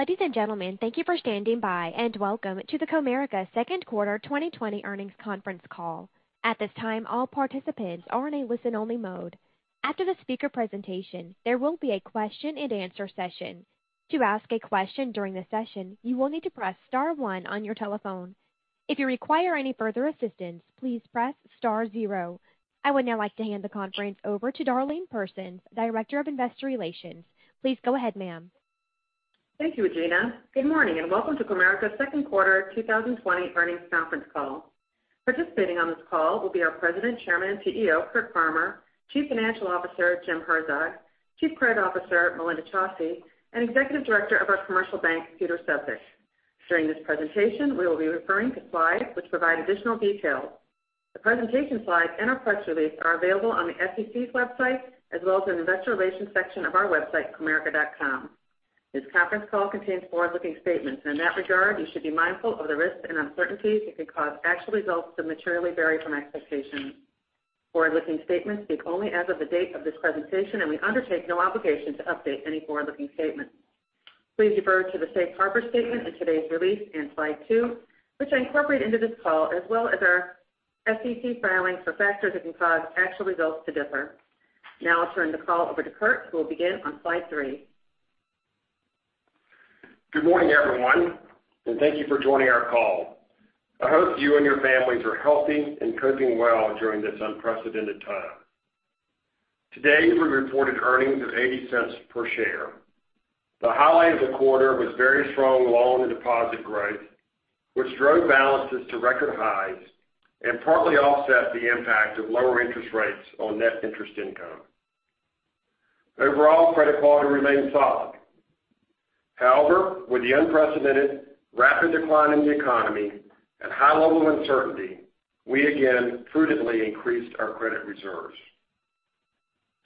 Ladies and gentlemen, thank you for standing by, and welcome to the Comerica Second Quarter 2020 Earnings Conference Call. At this time, all participants are in a listen-only mode. After the speaker presentation, there will be a question and answer session. To ask a question during the session, you will need to press star one on your telephone. If you require any further assistance, please press star zero. I would now like to hand the conference over to Darlene Persons, Director of Investor Relations. Please go ahead, ma'am. Thank you, Gina. Good morning, and welcome to Comerica's Second Quarter 2020 Earnings Conference Call. Participating on this call will be our President, Chairman, and CEO, Curt Farmer, Chief Financial Officer, James Herzog, Chief Credit Officer, Melinda Chausse, and Executive Director of our Commercial Bank, Peter Sefzik. During this presentation, we will be referring to slides which provide additional details. The presentation slides and our press release are available on the SEC's website, as well as in the investor relations section of our website, comerica.com. This conference call contains forward-looking statements, and in that regard, you should be mindful of the risks and uncertainties that could cause actual results to materially vary from expectations. Forward-looking statements speak only as of the date of this presentation, and we undertake no obligation to update any forward-looking statement. Please refer to the safe harbor statement in today's release in slide two, which I incorporate into this call, as well as our SEC filings for factors that can cause actual results to differ. I'll turn the call over to Curt, who will begin on slide three. Good morning, everyone, and thank you for joining our call. I hope you and your families are healthy and coping well during this unprecedented time. Today, we reported earnings of $0.80 per share. The highlight of the quarter was very strong loan to deposit growth, which drove balances to record highs and partly offset the impact of lower interest rates on net interest income. Overall credit quality remains solid. However, with the unprecedented rapid decline in the economy and high level of uncertainty, we again prudently increased our credit reserves.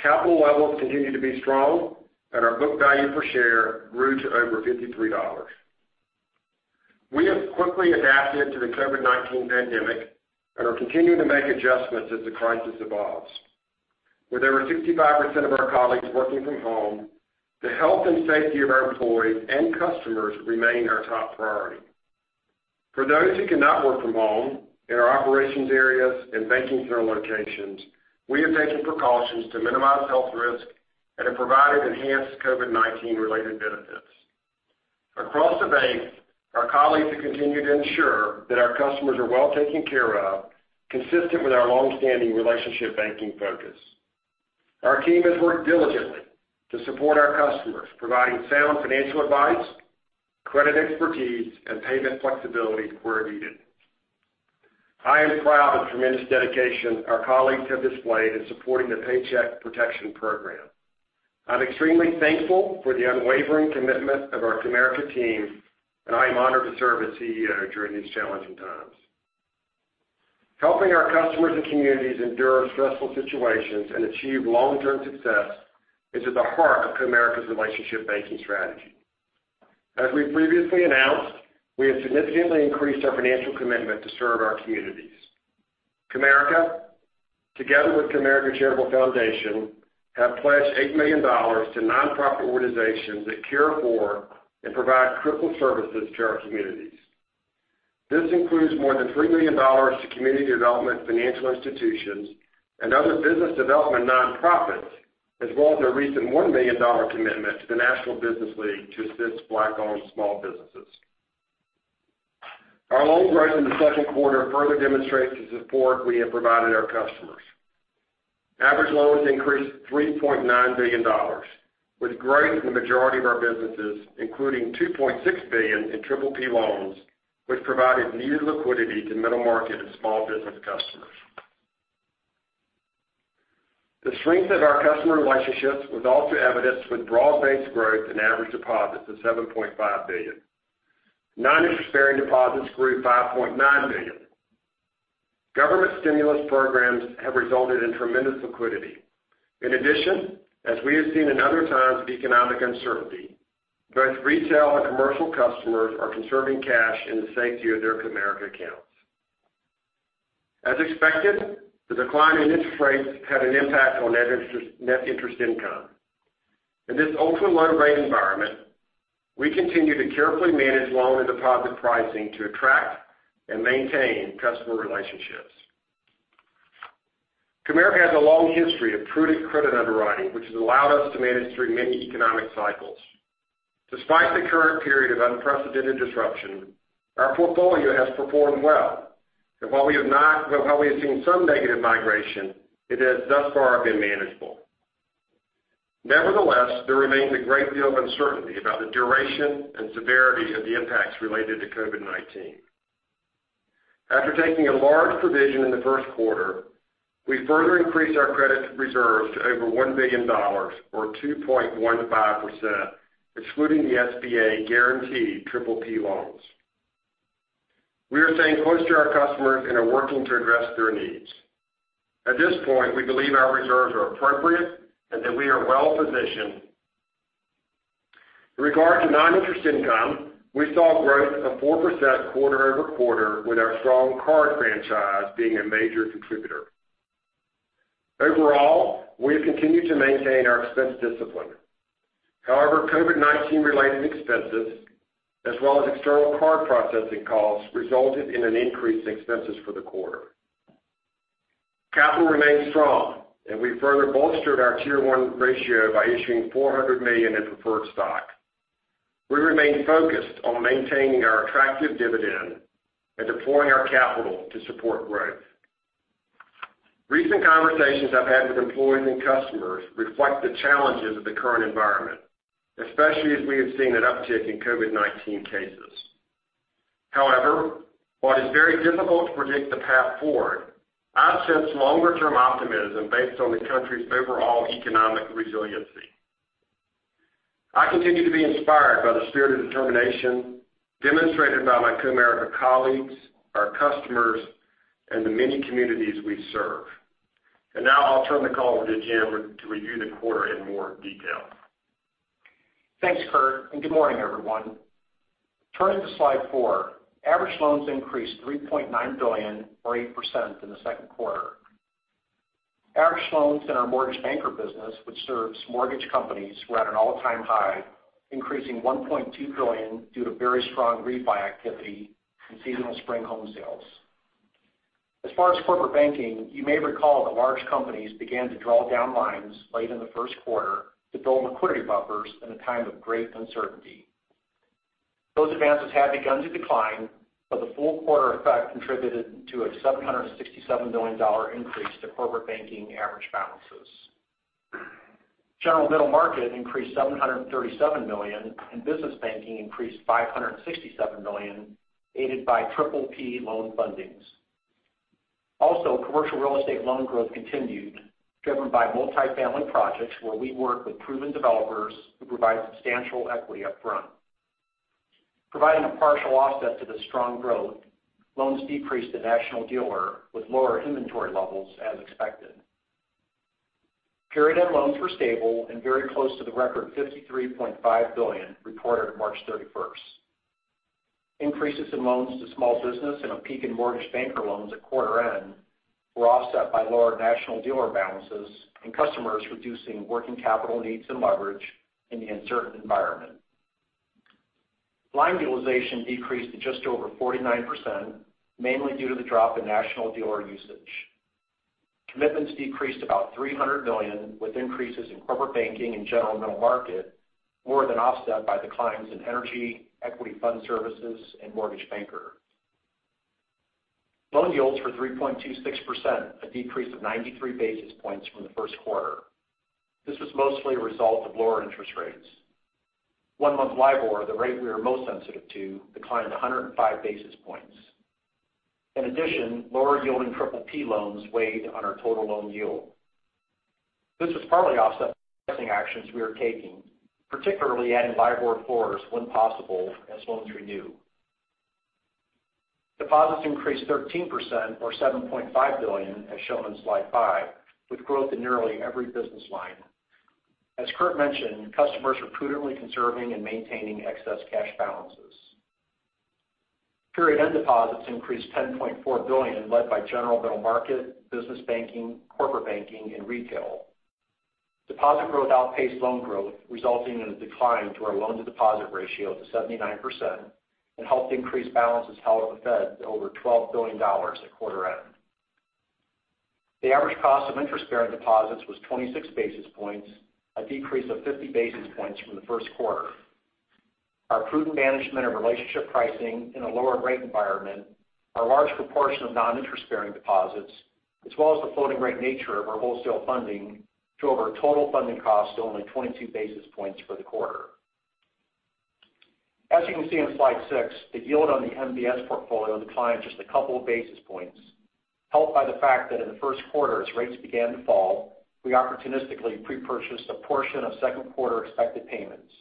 Capital levels continue to be strong and our book value per share grew to over $53. We have quickly adapted to the COVID-19 pandemic and are continuing to make adjustments as the crisis evolves. With over 65% of our colleagues working from home, the health and safety of our employees and customers remain our top priority. For those who cannot work from home in our operations areas and banking center locations, we have taken precautions to minimize health risk and have provided enhanced COVID-19 related benefits. Across the bank, our colleagues have continued to ensure that our customers are well taken care of, consistent with our long-standing relationship banking focus. Our team has worked diligently to support our customers, providing sound financial advice, credit expertise, and payment flexibility where needed. I am proud of the tremendous dedication our colleagues have displayed in supporting the Paycheck Protection Program. I'm extremely thankful for the unwavering commitment of our Comerica team, and I am honored to serve as CEO during these challenging times. Helping our customers and communities endure stressful situations and achieve long-term success is at the heart of Comerica's relationship banking strategy. As we previously announced, we have significantly increased our financial commitment to serve our communities. Comerica, together with Comerica Charitable Foundation, have pledged $8 million to nonprofit organizations that care for and provide critical services to our communities. This includes more than $3 million to community development financial institutions and other business development nonprofits, as well as a recent $1 million commitment to the National Business League to assist Black-owned small businesses. Our loan growth in the second quarter further demonstrates the support we have provided our customers. Average loans increased $3.9 billion with growth in the majority of our businesses, including $2.6 billion in PPP loans, which provided needed liquidity to middle market and small business customers. The strength of our customer relationships was also evidenced with broad-based growth in average deposits of $7.5 billion. Non-interest-bearing deposits grew $5.9 billion. Government stimulus programs have resulted in tremendous liquidity. In addition, as we have seen in other times of economic uncertainty, both retail and commercial customers are conserving cash in the safety of their Comerica accounts. As expected, the decline in interest rates had an impact on net interest income. In this ultra low rate environment, we continue to carefully manage loan and deposit pricing to attract and maintain customer relationships. Comerica has a long history of prudent credit underwriting, which has allowed us to manage through many economic cycles. Despite the current period of unprecedented disruption, our portfolio has performed well. While we have seen some negative migration, it has thus far been manageable. Nevertheless, there remains a great deal of uncertainty about the duration and severity of the impacts related to COVID-19. After taking a large provision in the first quarter, we further increased our credit reserves to over $1 billion, or 2.15%, excluding the SBA guaranteed PPP loans. We are staying close to our customers and are working to address their needs. At this point, we believe our reserves are appropriate and that we are well-positioned. In regard to non-interest income, we saw growth of 4% quarter-over-quarter with our strong card franchise being a major contributor. Overall, we have continued to maintain our expense discipline. However, COVID-19 related expenses, as well as external card processing costs, resulted in an increase in expenses for the quarter. Capital remains strong, and we further bolstered our Tier 1 ratio by issuing $400 million in preferred stock. We remain focused on maintaining our attractive dividend and deploying our capital to support growth. Recent conversations I've had with employees and customers reflect the challenges of the current environment, especially as we have seen an uptick in COVID-19 cases. However, while it's very difficult to predict the path forward, I sense longer-term optimism based on the country's overall economic resiliency. I continue to be inspired by the spirit of determination demonstrated by my Comerica colleagues, our customers, and the many communities we serve. Now I'll turn the call over to Jim to review the quarter in more detail. Thanks, Curt. Good morning, everyone. Turning to slide four, average loans increased $3.9 billion or 8% in the second quarter. Average loans in our Mortgage Banker business, which serves mortgage companies, were at an all-time high, increasing $1.2 billion due to very strong refi activity and seasonal spring home sales. As far as Corporate Banking, you may recall that large companies began to draw down lines late in the first quarter to build liquidity buffers in a time of great uncertainty. Those advances have begun to decline, but the full quarter effect contributed to a $767 million increase to Corporate Banking average balances. General Middle Market increased $737 million, and Business Banking increased $567 million, aided by PPP loan fundings. Also, commercial real estate loan growth continued, driven by multi-family projects where we work with proven developers who provide substantial equity upfront. Providing a partial offset to the strong growth, loans decreased to National Dealer with lower inventory levels, as expected. Period-end loans were stable and very close to the record $53.5 billion reported March 31st. Increases in loans to small business and a peak in Mortgage Banker loans at quarter end were offset by lower National Dealer balances and customers reducing working capital needs and leverage in the uncertain environment. Line utilization decreased to just over 49%, mainly due to the drop in National Dealer usage. Commitments decreased about $300 million, with increases in Corporate Banking and General Middle Market more than offset by declines in Energy, Equity Fund Services, and Mortgage Banker. Loan yields were 3.26%, a decrease of 93 basis points from the first quarter. This was mostly a result of lower interest rates. One-month LIBOR, the rate we are most sensitive to, declined 105 basis points. In addition, lower yielding PPP loans weighed on our total loan yield. This was partly offset by pricing actions we are taking, particularly adding LIBOR floors when possible as loans renew. Deposits increased 13%, or $7.5 billion, as shown in slide five, with growth in nearly every business line. As Curt mentioned, customers were prudently conserving and maintaining excess cash balances. Period-end deposits increased $10.4 billion, led by General Middle Market, Business Banking, Corporate Banking, and Retail. Deposit growth outpaced loan growth, resulting in a decline to our loan-to-deposit ratio to 79% and helped increase balances held at the Fed to over $12 billion at quarter end. The average cost of interest-bearing deposits was 26 basis points, a decrease of 50 basis points from the first quarter. Our prudent management of relationship pricing in a lower rate environment, our large proportion of non-interest-bearing deposits, as well as the floating rate nature of our wholesale funding, drove our total funding cost to only 22 basis points for the quarter. As you can see on slide six, the yield on the MBS portfolio declined just a couple of basis points, helped by the fact that in the first quarter, as rates began to fall, we opportunistically pre-purchased a portion of second quarter expected payments.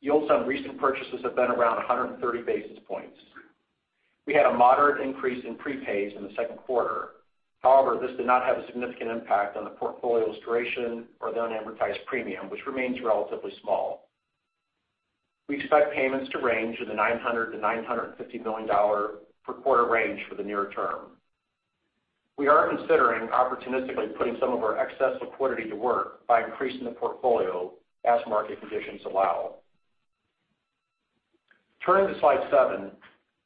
Yields on recent purchases have been around 130 basis points. We had a moderate increase in prepays in the second quarter. This did not have a significant impact on the portfolio's duration or the unamortized premium, which remains relatively small. We expect payments to range in the $900 million-$950 million per quarter range for the near term. We are considering opportunistically putting some of our excess liquidity to work by increasing the portfolio as market conditions allow. Turning to slide seven,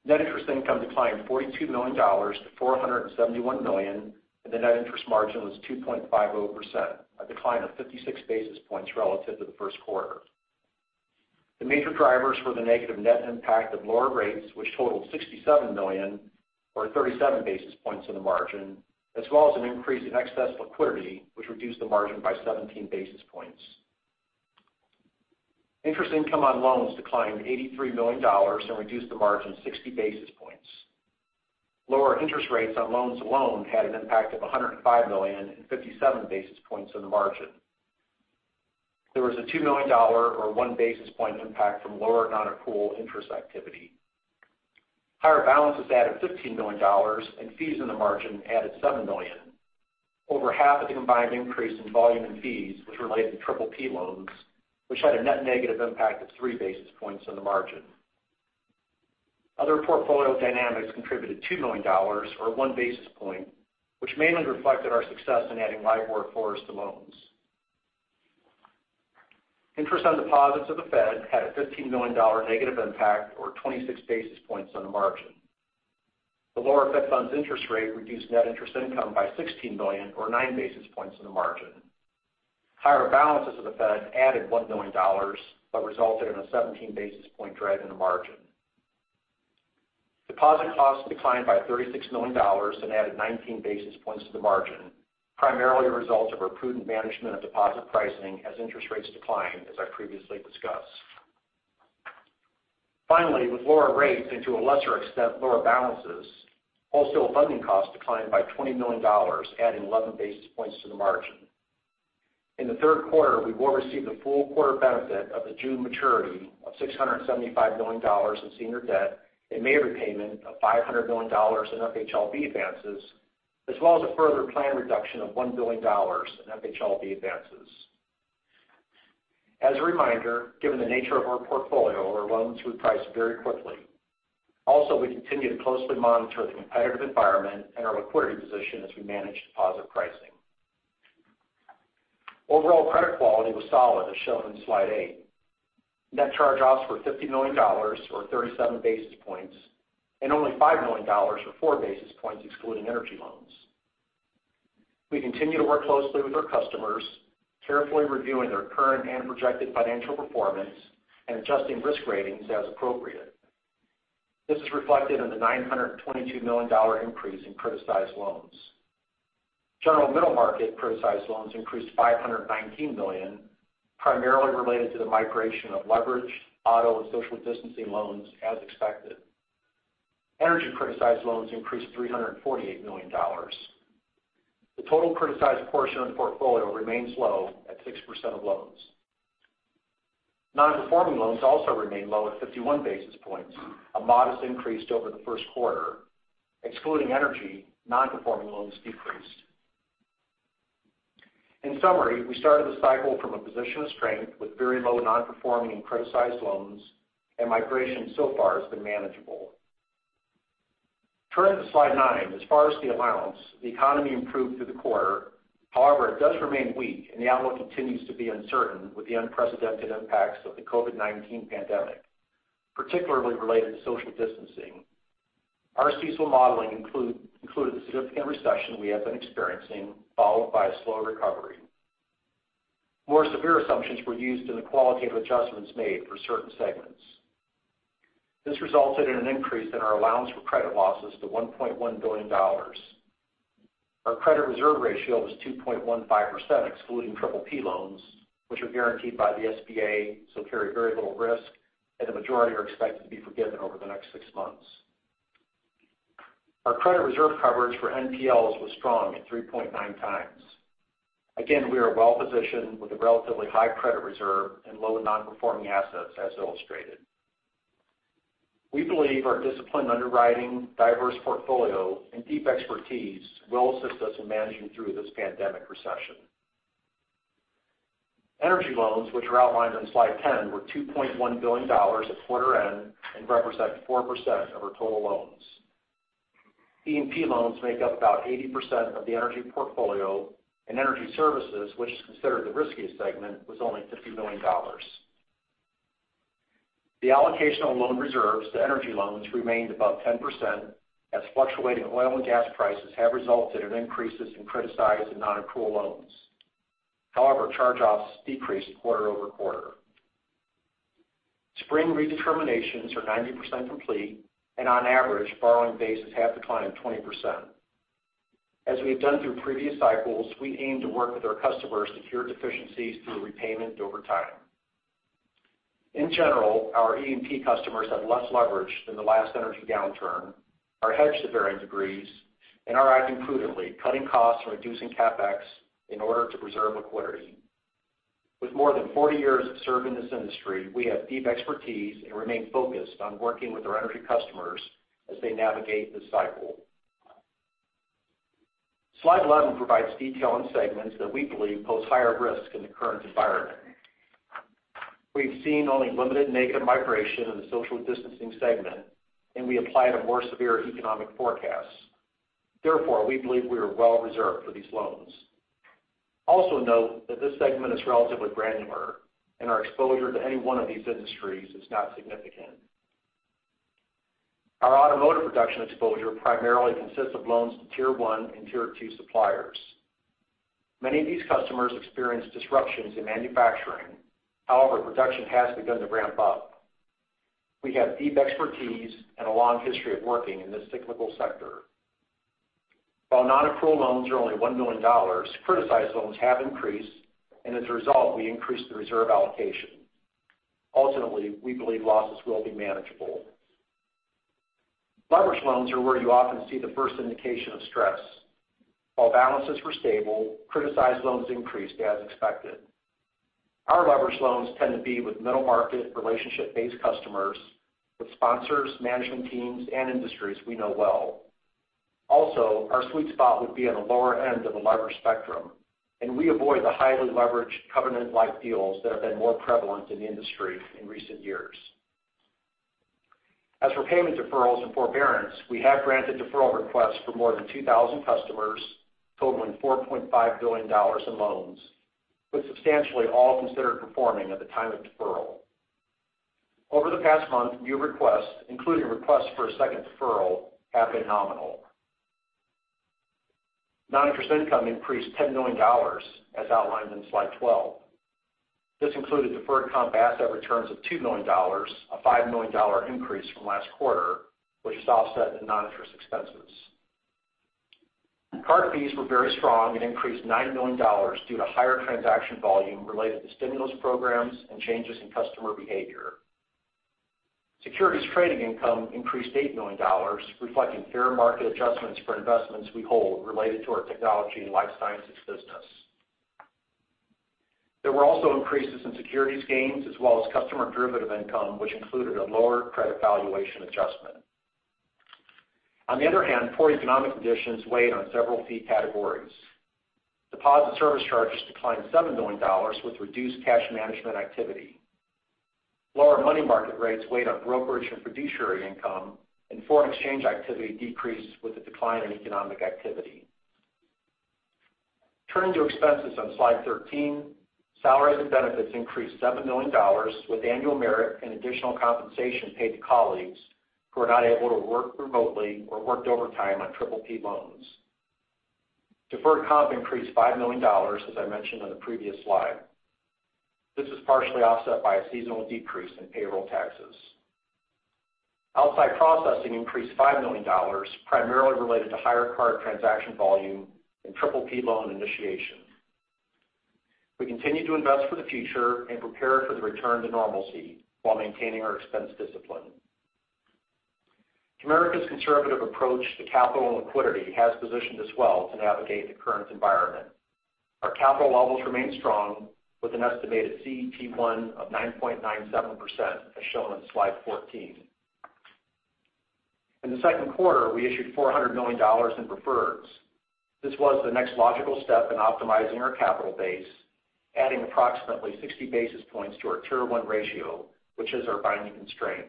net interest income declined $42 million to $471 million. The net interest margin was 2.50%, a decline of 56 basis points relative to the first quarter. The major drivers were the negative net impact of lower rates, which totaled $67 million, or 37 basis points in the margin, as well as an increase in excess liquidity, which reduced the margin by 17 basis points. Interest income on loans declined $83 million and reduced the margin 60 basis points. Lower interest rates on loans alone had an impact of $105 million and 57 basis points in the margin. There was a $2 million or one basis point impact from lower non-accrual interest activity. Higher balances added $15 million. Fees in the margin added $7 million. Over half of the combined increase in volume and fees was related to PPP loans, which had a net negative impact of three basis points on the margin. Other portfolio dynamics contributed $2 million or one basis point, which mainly reflected our success in adding leverage to loans. Interest on deposits of the Fed had a $15 million negative impact, or 26 basis points on the margin. The lower Fed funds interest rate reduced net interest income by $16 million, or nine basis points on the margin. Higher balances of the Fed added $1 million, but resulted in a 17 basis point drag on the margin. Deposit costs declined by $36 million and added 19 basis points to the margin, primarily a result of our prudent management of deposit pricing as interest rates decline, as I previously discussed. With lower rates and to a lesser extent, lower balances, wholesale funding costs declined by $20 million, adding 11 basis points to the margin. In the third quarter, we will receive the full quarter benefit of the June maturity of $675 million in senior debt and May repayment of $500 million in FHLB advances, as well as a further planned reduction of $1 billion in FHLB advances. As a reminder, given the nature of our portfolio, our loans reprice very quickly. We continue to closely monitor the competitive environment and our liquidity position as we manage deposit pricing. Overall credit quality was solid, as shown in slide eight. Net charge-offs were $50 million, or 37 basis points, and only $5 million, or four basis points excluding energy loans. We continue to work closely with our customers, carefully reviewing their current and projected financial performance and adjusting risk ratings as appropriate. This is reflected in the $922 million increase in criticized loans. General Middle Market criticized loans increased $519 million, primarily related to the migration of leveraged auto and social distancing loans as expected. Energy criticized loans increased $348 million. The total criticized portion of the portfolio remains low at 6% of loans. Non-performing loans also remain low at 51 basis points, a modest increase over the first quarter. Excluding energy, non-performing loans decreased. In summary, we started the cycle from a position of strength with very low non-performing and criticized loans, and migration so far has been manageable. Turning to slide nine. As far as the allowance, the economy improved through the quarter. It does remain weak, and the outlook continues to be uncertain with the unprecedented impacts of the COVID-19 pandemic, particularly related to social distancing. Our CECL modeling included the significant recession we have been experiencing, followed by a slow recovery. More severe assumptions were used in the qualitative adjustments made for certain segments. This resulted in an increase in our allowance for credit losses to $1.1 billion. Our credit reserve ratio was 2.15%, excluding PPP loans, which are guaranteed by the SBA, carry very little risk, and the majority are expected to be forgiven over the next six months. Our credit reserve coverage for NPLs was strong at 3.9 times. We are well-positioned with a relatively high credit reserve and low non-performing assets as illustrated. We believe our disciplined underwriting, diverse portfolio, and deep expertise will assist us in managing through this pandemic recession. Energy loans, which are outlined on slide 10, were $2.1 billion at quarter end and represent 4% of our total loans. E&P loans make up about 80% of the energy portfolio, and energy services, which is considered the riskiest segment, was only $50 million. The allocation of loan reserves to energy loans remained above 10% as fluctuating oil and gas prices have resulted in increases in criticized and non-accrual loans. Charge-offs decreased quarter-over-quarter. Spring redeterminations are 90% complete, on average, borrowing bases have declined 20%. As we have done through previous cycles, we aim to work with our customers to cure deficiencies through repayment over time. In general, our E&P customers have less leverage than the last energy downturn, are hedged to varying degrees, and are acting prudently, cutting costs and reducing CapEx in order to preserve liquidity. With more than 40 years of serving this industry, we have deep expertise and remain focused on working with our energy customers as they navigate this cycle. Slide 11 provides detail on segments that we believe pose higher risk in the current environment. We've seen only limited negative migration in the social distancing segment, and we applied a more severe economic forecast. Therefore, we believe we are well reserved for these loans. Also note that this segment is relatively granular, and our exposure to any one of these industries is not significant. Our automotive production exposure primarily consists of loans to Tier 1 and Tier 2 suppliers. Many of these customers experienced disruptions in manufacturing. However, production has begun to ramp up. We have deep expertise and a long history of working in this cyclical sector. While non-accrual loans are only $1 million, criticized loans have increased, and as a result, we increased the reserve allocation. Ultimately, we believe losses will be manageable. Leveraged loans are where you often see the first indication of stress. While balances were stable, criticized loans increased as expected. Our leveraged loans tend to be with middle-market, relationship-based customers with sponsors, management teams, and industries we know well. Also, our sweet spot would be on the lower end of the levered spectrum, and we avoid the highly leveraged covenant-lite deals that have been more prevalent in the industry in recent years. As for payment deferrals and forbearance, we have granted deferral requests for more than 2,000 customers totaling $4.5 billion in loans, with substantially all considered performing at the time of deferral. Over the past month, new requests, including requests for a second deferral, have been nominal. Non-interest income increased $10 million, as outlined in slide 12. This included deferred comp asset returns of $2 million, a $5 million increase from last quarter, which is offset in non-interest expenses. Card fees were very strong and increased $9 million due to higher transaction volume related to stimulus programs and changes in customer behavior. Securities trading income increased $8 million, reflecting fair market adjustments for investments we hold related to our technology and life sciences business. There were also increases in securities gains as well as customer derivative income, which included a lower credit valuation adjustment. On the other hand, poor economic conditions weighed on several fee categories. Deposit service charges declined $7 million with reduced cash management activity. Lower money market rates weighed on brokerage and fiduciary income, and foreign exchange activity decreased with the decline in economic activity. Turning to expenses on slide 13, salaries and benefits increased $7 million with annual merit and additional compensation paid to colleagues who are not able to work remotely or worked overtime on PPP loans. Deferred comp increased $5 million, as I mentioned on the previous slide. This was partially offset by a seasonal decrease in payroll taxes. Outside processing increased $5 million, primarily related to higher card transaction volume and PPP loan initiation. We continue to invest for the future and prepare for the return to normalcy while maintaining our expense discipline. Comerica's conservative approach to capital and liquidity has positioned us well to navigate the current environment. Our capital levels remain strong with an estimated CET1 of 9.97%, as shown on slide 14. In the second quarter, we issued $400 million in preferreds. This was the next logical step in optimizing our capital base, adding approximately 60 basis points to our Tier 1 ratio, which is our binding constraint.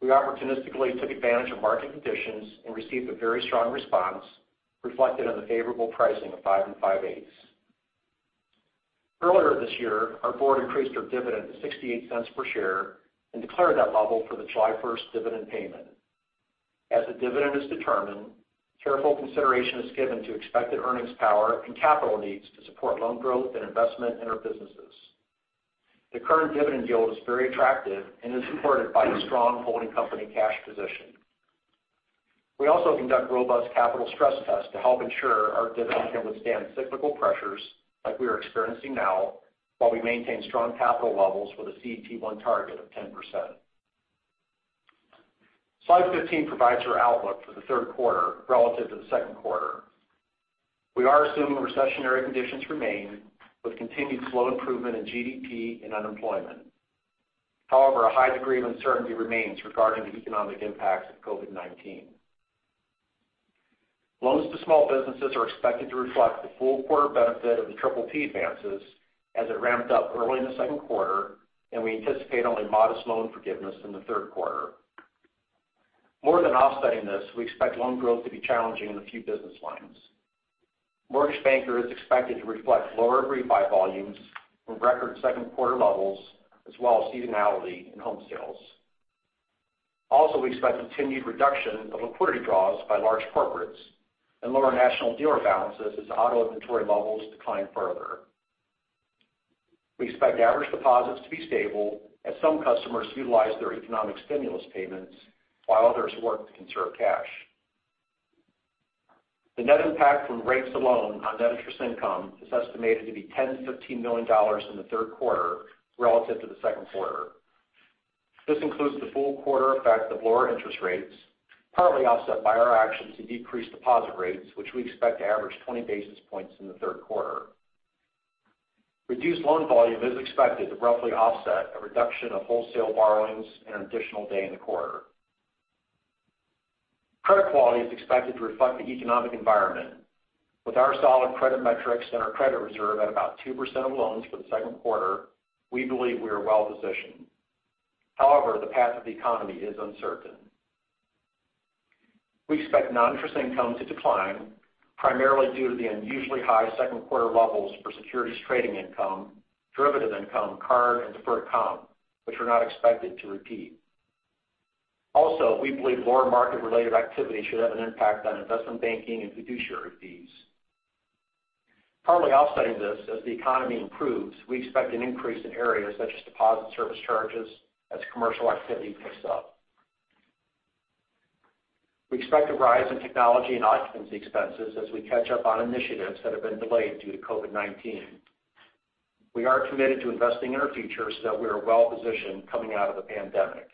We opportunistically took advantage of market conditions and received a very strong response, reflected on the favorable pricing of five and five-eighths. Earlier this year, our board increased our dividend to $0.68 per share and declared that level for the July 1st dividend payment. As the dividend is determined, careful consideration is given to expected earnings power and capital needs to support loan growth and investment in our businesses. The current dividend yield is very attractive and is supported by a strong holding company cash position. We also conduct robust capital stress tests to help ensure our dividend can withstand cyclical pressures like we are experiencing now, while we maintain strong capital levels with a CET1 target of 10%. Slide 15 provides our outlook for the third quarter relative to the second quarter. We are assuming recessionary conditions remain with continued slow improvement in GDP and unemployment. A high degree of uncertainty remains regarding the economic impacts of COVID-19. Loans to small businesses are expected to reflect the full quarter benefit of the PPP advances as it ramped up early in the second quarter, and we anticipate only modest loan forgiveness in the third quarter. More than offsetting this, we expect loan growth to be challenging in a few business lines. Mortgage Banker is expected to reflect lower refi volumes from record second quarter levels, as well as seasonality in home sales. We expect continued reduction of liquidity draws by large corporates and lower National Dealer balances as auto inventory levels decline further. We expect average deposits to be stable as some customers utilize their economic stimulus payments while others work to conserve cash. The net impact from rates alone on net interest income is estimated to be $10 million to $15 million in the third quarter relative to the second quarter. This includes the full quarter effect of lower interest rates, partly offset by our actions to decrease deposit rates, which we expect to average 20 basis points in the third quarter. Reduced loan volume is expected to roughly offset a reduction of wholesale borrowings and an additional day in the quarter. Credit quality is expected to reflect the economic environment. With our solid credit metrics and our credit reserve at about 2% of loans for the second quarter, we believe we are well positioned. The path of the economy is uncertain. We expect non-interest income to decline, primarily due to the unusually high second quarter levels for securities trading income, derivative income, card, and deferred comp, which are not expected to repeat. We believe lower market-related activity should have an impact on investment banking and fiduciary fees. Partly offsetting this, as the economy improves, we expect an increase in areas such as deposit service charges as commercial activity picks up. We expect a rise in technology and occupancy expenses as we catch up on initiatives that have been delayed due to COVID-19. We are committed to investing in our future so that we are well-positioned coming out of the pandemic.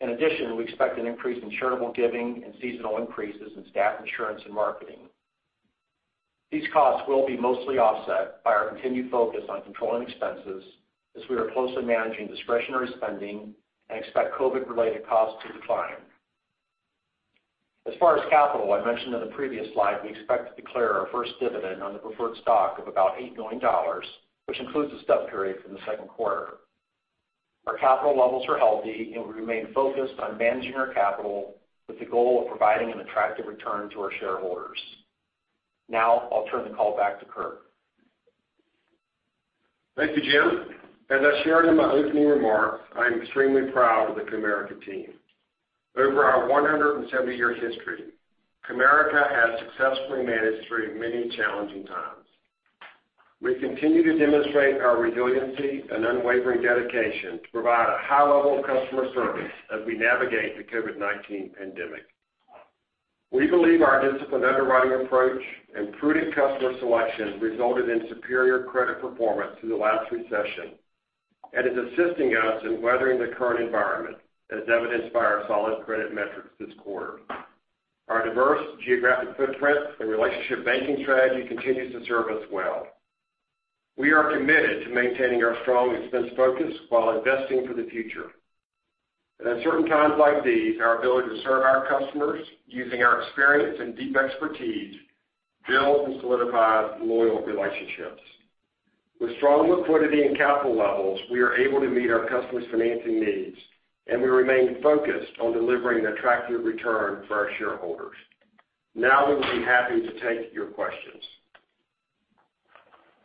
In addition, we expect an increase in charitable giving and seasonal increases in staff insurance and marketing. These costs will be mostly offset by our continued focus on controlling expenses as we are closely managing discretionary spending and expect COVID-related costs to decline. As far as capital, I mentioned in the previous slide, we expect to declare our first dividend on the preferred stock of about $8 million, which includes the stub period from the second quarter. Our capital levels are healthy, and we remain focused on managing our capital with the goal of providing an attractive return to our shareholders. Now I'll turn the call back to Curt. Thank you, Jim. As I shared in my opening remarks, I'm extremely proud of the Comerica team. Over our 170-year history, Comerica has successfully managed through many challenging times. We continue to demonstrate our resiliency and unwavering dedication to provide a high level of customer service as we navigate the COVID-19 pandemic. We believe our disciplined underwriting approach and prudent customer selection resulted in superior credit performance through the last recession and is assisting us in weathering the current environment, as evidenced by our solid credit metrics this quarter. Our diverse geographic footprint and relationship banking strategy continues to serve us well. We are committed to maintaining our strong expense focus while investing for the future. At certain times like these, our ability to serve our customers using our experience and deep expertise builds and solidifies loyal relationships. With strong liquidity and capital levels, we are able to meet our customers' financing needs, and we remain focused on delivering an attractive return for our shareholders. We would be happy to take your questions.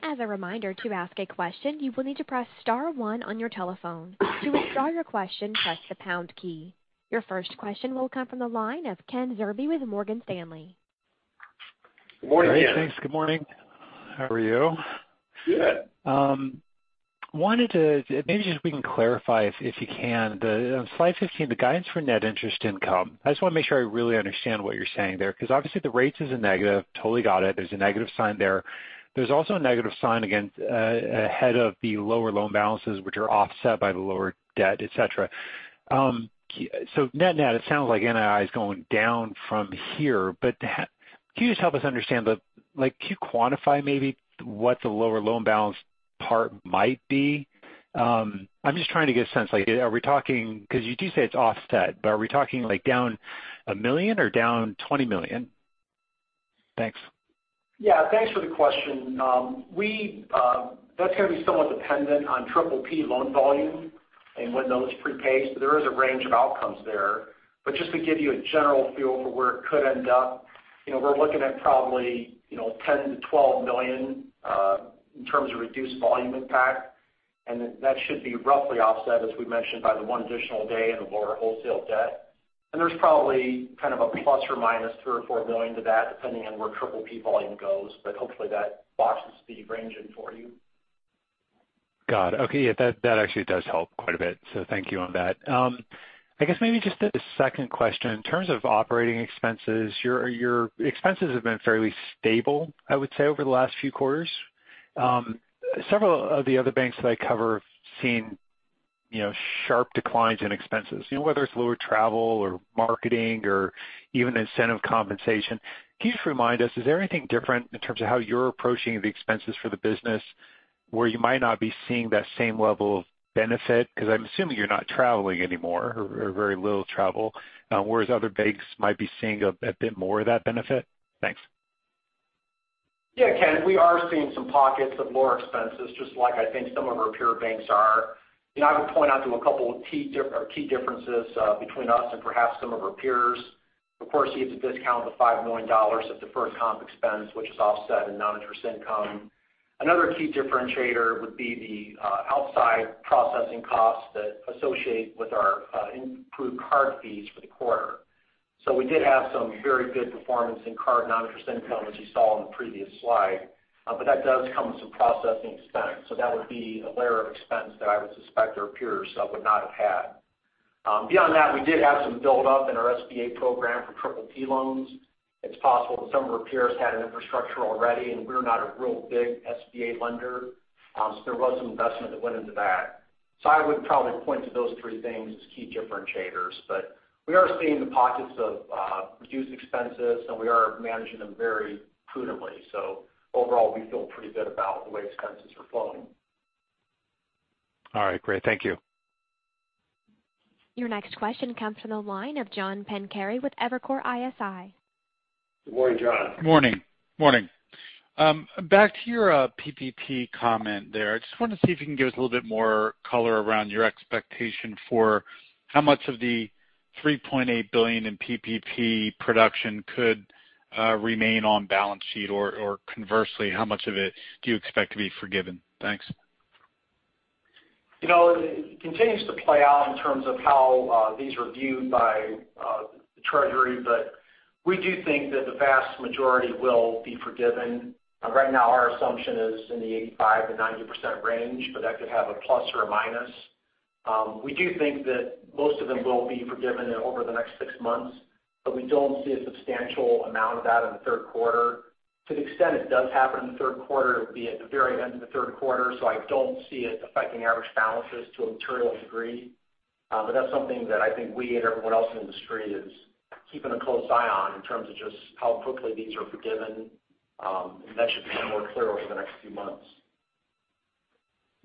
As a reminder, to ask a question, you will need to press *one on your telephone. To withdraw your question, press the # key. Your first question will come from the line of Kenneth Zerbe with Morgan Stanley. Good morning, Ken. Thanks. Good morning. How are you? Good. Maybe just we can clarify if you can. On slide 15, the guidance for net interest income. I just want to make sure I really understand what you're saying there because obviously the rates is a negative. Totally got it. There's a negative sign there. There's also a negative sign ahead of the lower loan balances, which are offset by the lower debt, et cetera. Net-net, it sounds like NII is going down from here. Can you just help us understand, can you quantify maybe what the lower loan balance part might be? I'm just trying to get a sense. Because you do say it's offset, but are we talking down $1 million or down $20 million? Thanks. Yeah. Thanks for the question. That's going to be somewhat dependent on PPP loan volume and when those prepay. There is a range of outcomes there. Just to give you a general feel for where it could end up, we're looking at probably $10 million-$12 million in terms of reduced volume impact, and that should be roughly offset, as we mentioned, by the one additional day and the lower wholesale debt. There's probably a ±$3 million-$4 million to that, depending on where PPP volume goes, but hopefully that boxes the range in for you. Got it. Okay. That actually does help quite a bit, so thank you on that. I guess maybe just a second question. In terms of operating expenses, your expenses have been fairly stable, I would say, over the last few quarters. Several of the other banks that I cover have seen sharp declines in expenses, whether it's lower travel or marketing or even incentive compensation. Can you just remind us, is there anything different in terms of how you're approaching the expenses for the business where you might not be seeing that same level of benefit? I'm assuming you're not traveling anymore or very little travel whereas other banks might be seeing a bit more of that benefit. Thanks. Ken, we are seeing some pockets of lower expenses, just like I think some of our peer banks are. I would point out to a couple of key differences between us and perhaps some of our peers. Of course, you have to discount the $5 million of deferred comp expense, which is offset in non-interest income. Another key differentiator would be the outside processing costs that associate with our improved card fees for the quarter. We did have some very good performance in card non-interest income, which you saw on the previous slide. That does come with some processing expense. That would be a layer of expense that I would suspect our peers would not have had. Beyond that, we did have some buildup in our SBA program for PPP loans. It's possible that some of our peers had an infrastructure already, and we're not a real big SBA lender. There was some investment that went into that. I would probably point to those three things as key differentiators. We are seeing the pockets of reduced expenses, and we are managing them very prudently. Overall, we feel pretty good about the way expenses are flowing. All right. Great. Thank you. Your next question comes from the line of John Pancari with Evercore ISI. Good morning, John. Morning. Back to your PPP comment there. I just wanted to see if you can give us a little bit more color around your expectation for how much of the $3.8 billion in PPP production could remain on balance sheet, or conversely, how much of it do you expect to be forgiven? Thanks. It continues to play out in terms of how these are viewed by the Treasury, but we do think that the vast majority will be forgiven. Right now, our assumption is in the 85% to 90% range, but that could have a plus or a minus. We do think that most of them will be forgiven over the next six months, but we don't see a substantial amount of that in the third quarter. To the extent it does happen in the third quarter, it would be at the very end of the third quarter, so I don't see it affecting average balances to a material degree. That's something that I think we and everyone else in the industry is keeping a close eye on in terms of just how quickly these are forgiven. That should become more clear over the next few months.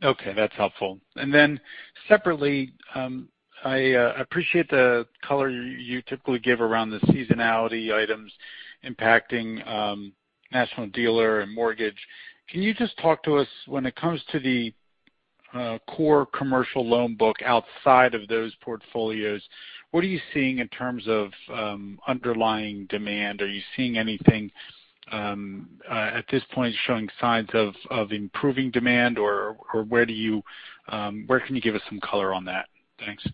Okay, that's helpful. Separately, I appreciate the color you typically give around the seasonality items impacting National Dealer and mortgage. Can you just talk to us when it comes to the core commercial loan book outside of those portfolios, what are you seeing in terms of underlying demand? Are you seeing anything at this point showing signs of improving demand, or where can you give us some color on that? Thanks.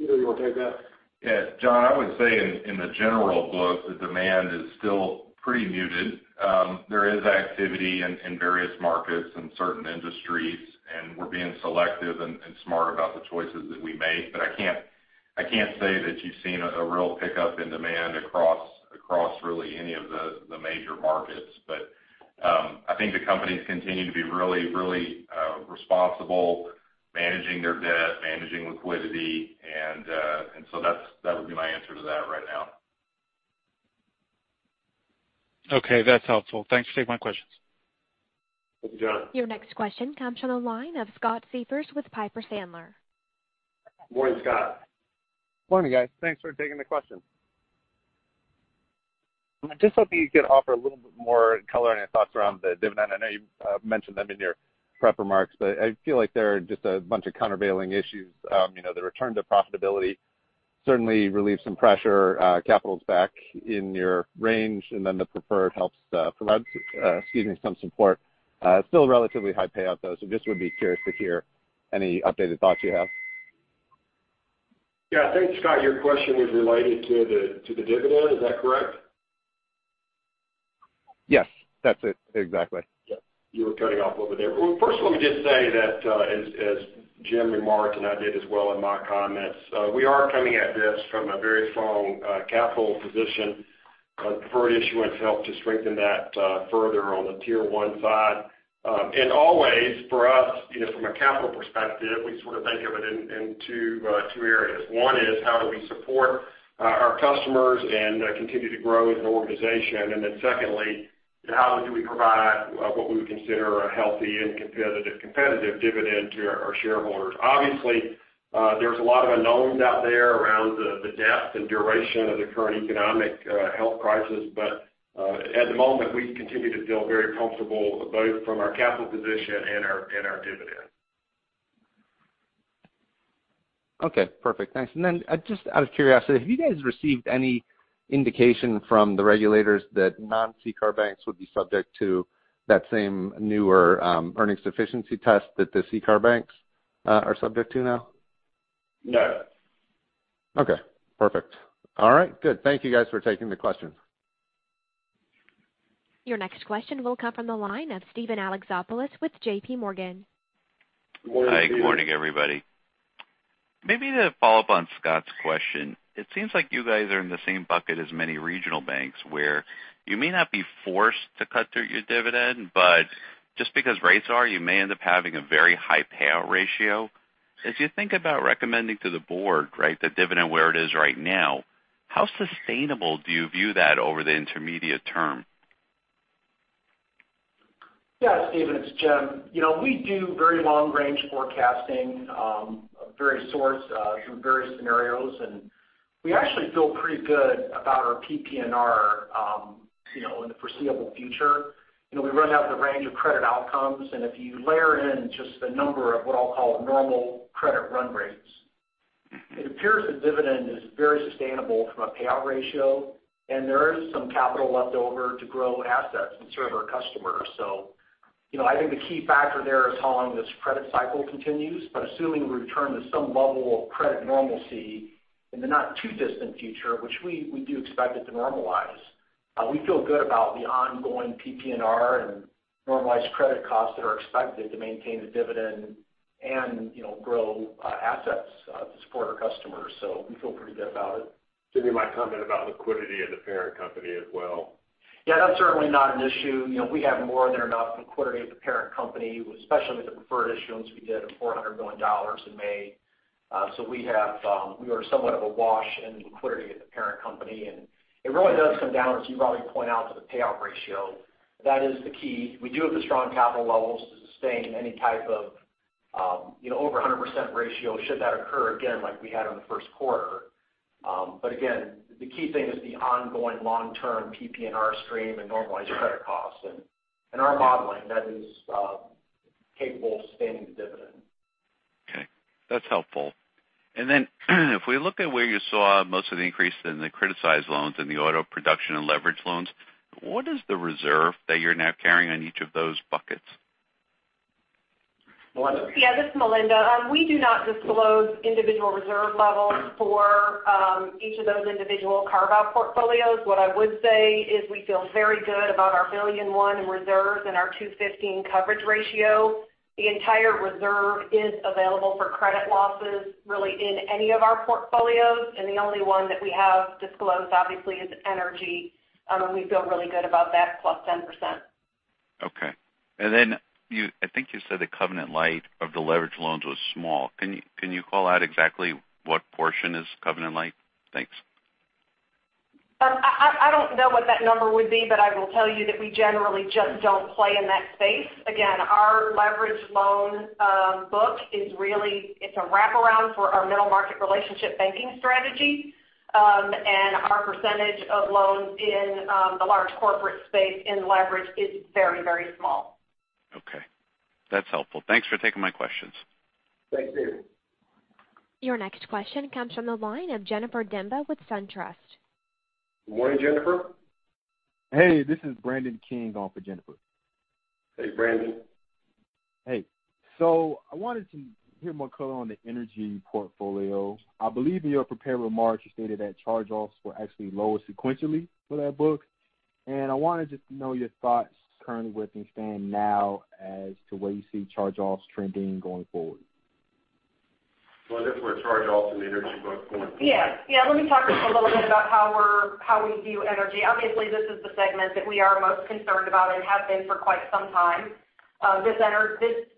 Peter, you want to take that? Yes. John, I would say in the general book, the demand is still pretty muted. There is activity in various markets and certain industries, and we're being selective and smart about the choices that we make. I can't say that you've seen a real pickup in demand across really any of the major markets. I think the companies continue to be really responsible, managing their debt, managing liquidity. That would be my answer to that right now. Okay, that's helpful. Thanks for taking my questions. Thank you, John. Your next question comes from the line of Scott Siefers with Piper Sandler. Morning, Scott. Morning, guys. Thanks for taking the question. I'm just hoping you could offer a little bit more color and your thoughts around the dividend. I know you mentioned them in your prep remarks, but I feel like they're just a bunch of countervailing issues. The return to profitability certainly relieves some pressure, capital's back in your range, and then the preferred helps provide some support. Still relatively high payout, though. Just would be curious to hear any updated thoughts you have. Yeah, I think, Scott, your question was related to the dividend. Is that correct? Yes, that's it exactly. Yeah. You were cutting off over there. First let me just say that, as Jim remarked, and I did as well in my comments, we are coming at this from a very strong capital position. The preferred issuance helped to strengthen that further on the Tier 1 side. Always for us, from a capital perspective, we sort of think of it in two areas. One is how do we support our customers and continue to grow as an organization? Secondly, how do we provide what we would consider a healthy and competitive dividend to our shareholders? Obviously, there's a lot of unknowns out there around the depth and duration of the current economic health crisis. At the moment, we continue to feel very comfortable both from our capital position and our dividend. Okay, perfect. Thanks. Just out of curiosity, have you guys received any indication from the regulators that non-CCAR banks would be subject to that same newer earnings sufficiency test that the CCAR banks are subject to now? No. Okay, perfect. All right, good. Thank you guys for taking the question. Your next question will come from the line of Steven Alexopoulos with JPMorgan. Morning, Steven. Hi, good morning, everybody. Maybe to follow up on Scott's question, it seems like you guys are in the same bucket as many regional banks, where you may not be forced to cut through your dividend, but just because rates are, you may end up having a very high payout ratio. As you think about recommending to the board the dividend where it is right now, how sustainable do you view that over the intermediate term? Steven, it's Jim. We do very long-range forecasting, of various sorts through various scenarios, and we actually feel pretty good about our PPNR, in the foreseeable future. We run out the range of credit outcomes, and if you layer in just a number of what I'll call normal credit run rates, it appears the dividend is very sustainable from a payout ratio, and there is some capital left over to grow assets and serve our customers. I think the key factor there is how long this credit cycle continues. Assuming we return to some level of credit normalcy in the not too distant future, which we do expect it to normalize, we feel good about the ongoing PPNR and normalized credit costs that are expected to maintain the dividend and grow assets to support our customers. We feel pretty good about it. Jimmy, my comment about liquidity of the parent company as well. Yeah, that's certainly not an issue. We have more than enough liquidity at the parent company, especially with the preferred issuance we did of $400 million in May. We are somewhat of awash in liquidity at the parent company, and it really does come down, as you rightly point out, to the payout ratio. That is the key. We do have the strong capital levels to sustain any type of over 100% ratio should that occur again, like we had in the first quarter. Again, the key thing is the ongoing long-term PPNR stream and normalized credit costs. In our modeling, that is capable of sustaining the dividend. Okay, that's helpful. If we look at where you saw most of the increase in the criticized loans in the auto production and leverage loans, what is the reserve that you're now carrying on each of those buckets? Melinda. Yeah, this is Melinda. We do not disclose individual reserve levels for each of those individual carve-out portfolios. What I would say is we feel very good about our $1.1 billion in reserves and our 215 coverage ratio. The entire reserve is available for credit losses really in any of our portfolios. The only one that we have disclosed, obviously, is energy. We feel really good about that plus 10%. Okay. I think you said the covenant-lite of the leverage loans was small. Can you call out exactly what portion is covenant-lite? Thanks. I don't know what that number would be, but I will tell you that we generally just don't play in that space. Again, our leverage loan book is a wraparound for our Middle Market relationship banking strategy. Our percentage of loans in the large corporate space in leverage is very, very small. Okay. That's helpful. Thanks for taking my questions. Thanks, David. Your next question comes from the line of Jennifer Demba with SunTrust. Good morning, Jennifer. Hey, this is Brandon King on for Jennifer. Hey, Brandon. Hey. I wanted to hear more color on the energy portfolio. I believe in your prepared remarks, you stated that charge-offs were actually lower sequentially for that book. I wanted just to know your thoughts currently where things stand now as to where you see charge-offs trending going forward. Well, as it were, charge-offs in the energy book going forward. Let me talk just a little bit about how we view energy. This is the segment that we are most concerned about and have been for quite some time. This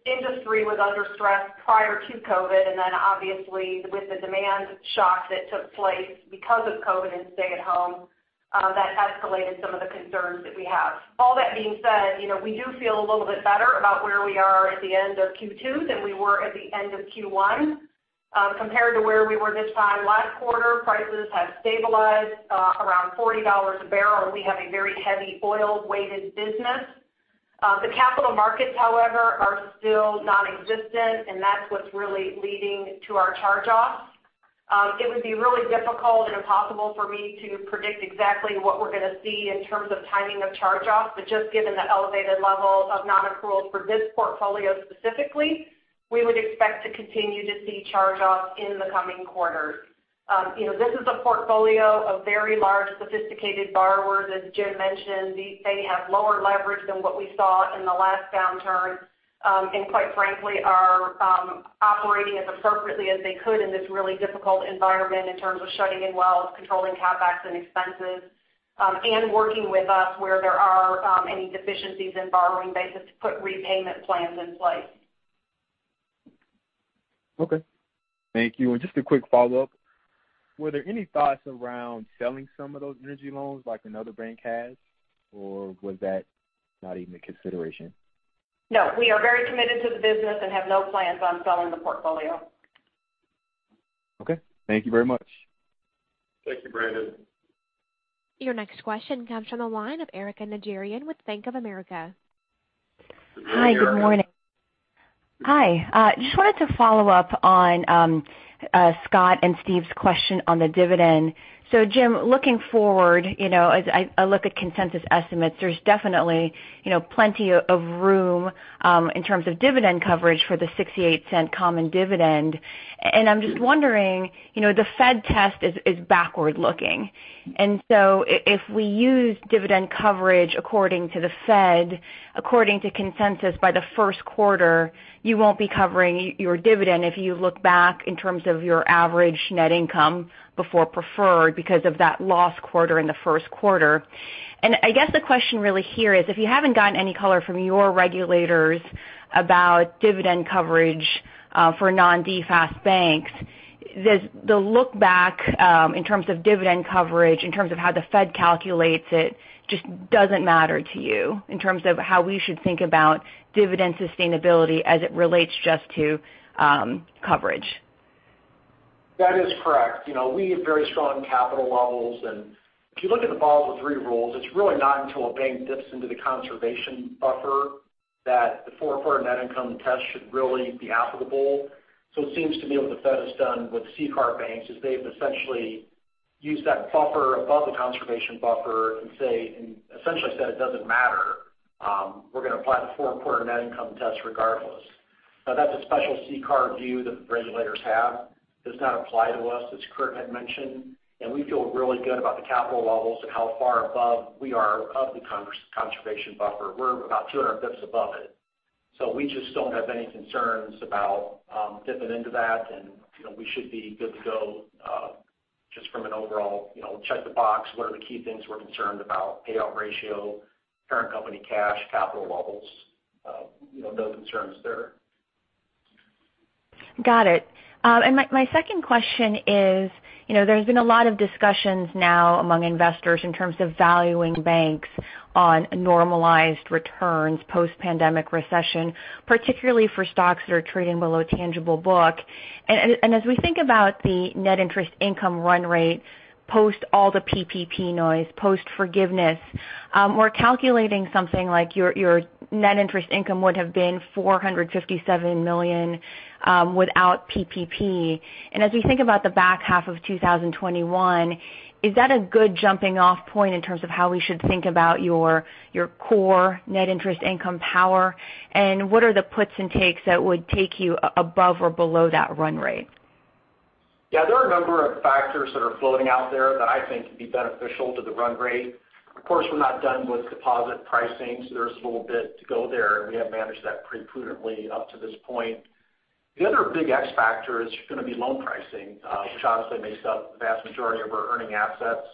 industry was under stress prior to COVID, then obviously with the demand shock that took place because of COVID and stay at home, that escalated some of the concerns that we have. All that being said, we do feel a little bit better about where we are at the end of Q2 than we were at the end of Q1. Compared to where we were this time last quarter, prices have stabilized around $40 a barrel, we have a very heavy oil-weighted business. The capital markets, however, are still nonexistent, that's what's really leading to our charge-offs. It would be really difficult and impossible for me to predict exactly what we're going to see in terms of timing of charge-offs. Just given the elevated level of non-accruals for this portfolio specifically, we would expect to continue to see charge-offs in the coming quarters. This is a portfolio of very large, sophisticated borrowers. As Jim mentioned, they have lower leverage than what we saw in the last downturn, and quite frankly, are operating as appropriately as they could in this really difficult environment in terms of shutting in wells, controlling CapEx and expenses, and working with us where there are any deficiencies in borrowing basis to put repayment plans in place. Okay. Thank you. Just a quick follow-up. Were there any thoughts around selling some of those energy loans like another bank has, or was that not even a consideration? No. We are very committed to the business and have no plans on selling the portfolio. Okay. Thank you very much. Thank you, Brandon. Your next question comes from the line of Erika Najarian with Bank of America. Hi, Erika. Hi, good morning. Hi. Just wanted to follow up on Scott and Steven's question on the dividend. Jim, looking forward, as I look at consensus estimates, there's definitely plenty of room in terms of dividend coverage for the $0.68 common dividend. I'm just wondering, the Fed test is backward-looking. If we use dividend coverage according to the Fed, according to consensus, by the first quarter, you won't be covering your dividend if you look back in terms of your average net income before preferred because of that loss quarter in the first quarter. I guess the question really here is, if you haven't gotten any color from your regulators about dividend coverage for non-DFAST banks, the look back in terms of dividend coverage, in terms of how the Fed calculates it, just doesn't matter to you in terms of how we should think about dividend sustainability as it relates just to coverage. That is correct. We have very strong capital levels. If you look at the Basel III rules, it's really not until a bank dips into the conservation buffer that the four-quarter net income test should really be applicable. It seems to me what the Fed has done with CCAR banks is they've essentially used that buffer above the conservation buffer and essentially said it doesn't matter. We're going to apply the four-quarter net income test regardless. Now, that's a special CCAR view that regulators have. Does not apply to us, as Curt had mentioned. We feel really good about the capital levels and how far above we are of the conservation buffer. We're about 200 basis points above it. We just don't have any concerns about dipping into that, and we should be good to go just from an overall check the box. What are the key things we're concerned about? Payout ratio, parent company cash, capital levels. No concerns there. Got it. My second question is, there's been a lot of discussions now among investors in terms of valuing banks on normalized returns, post-pandemic recession, particularly for stocks that are trading below tangible book. As we think about the net interest income run rate, post all the PPP noise, post forgiveness, we're calculating something like your net interest income would have been $457 million without PPP. As we think about the back half of 2021, is that a good jumping-off point in terms of how we should think about your core net interest income power? What are the puts and takes that would take you above or below that run rate? Yeah, there are a number of factors that are floating out there that I think could be beneficial to the run rate. Of course, we're not done with deposit pricing, so there's a little bit to go there, and we have managed that pretty prudently up to this point. The other big X factor is going to be loan pricing, which obviously makes up the vast majority of our earning assets.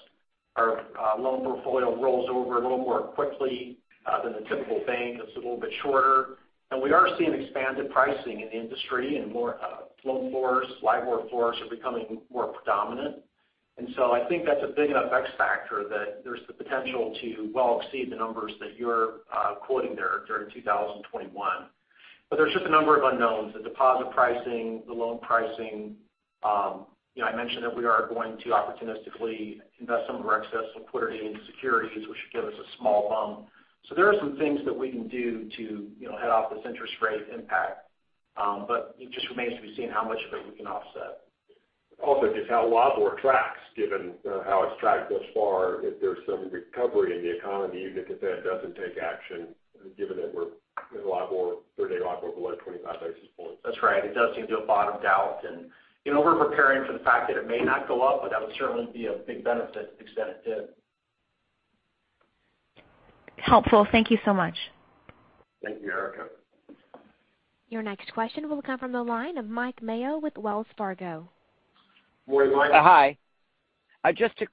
Our loan portfolio rolls over a little more quickly than the typical bank. It's a little bit shorter. We are seeing expanded pricing in the industry and more float floors, LIBOR floors are becoming more predominant. I think that's a big enough X factor that there's the potential to well exceed the numbers that you're quoting there during 2021. There's just a number of unknowns, the deposit pricing, the loan pricing. I mentioned that we are going to opportunistically invest some of our excess liquidity into securities, which should give us a small bump. There are some things that we can do to head off this interest rate impact. It just remains to be seen how much of it we can offset. Just how LIBOR tracks, given how it's tracked thus far, if there's some recovery in the economy, even if the Fed doesn't take action, given that we're in a LIBOR, 30-day LIBOR below 25 basis points. That's right. It does seem to have bottomed out. We're preparing for the fact that it may not go up, but that would certainly be a big benefit to the extent it did. Helpful. Thank you so much. Thank you, Erika. Your next question will come from the line of Mike Mayo with Wells Fargo. Morning, Mike. Hi. Just to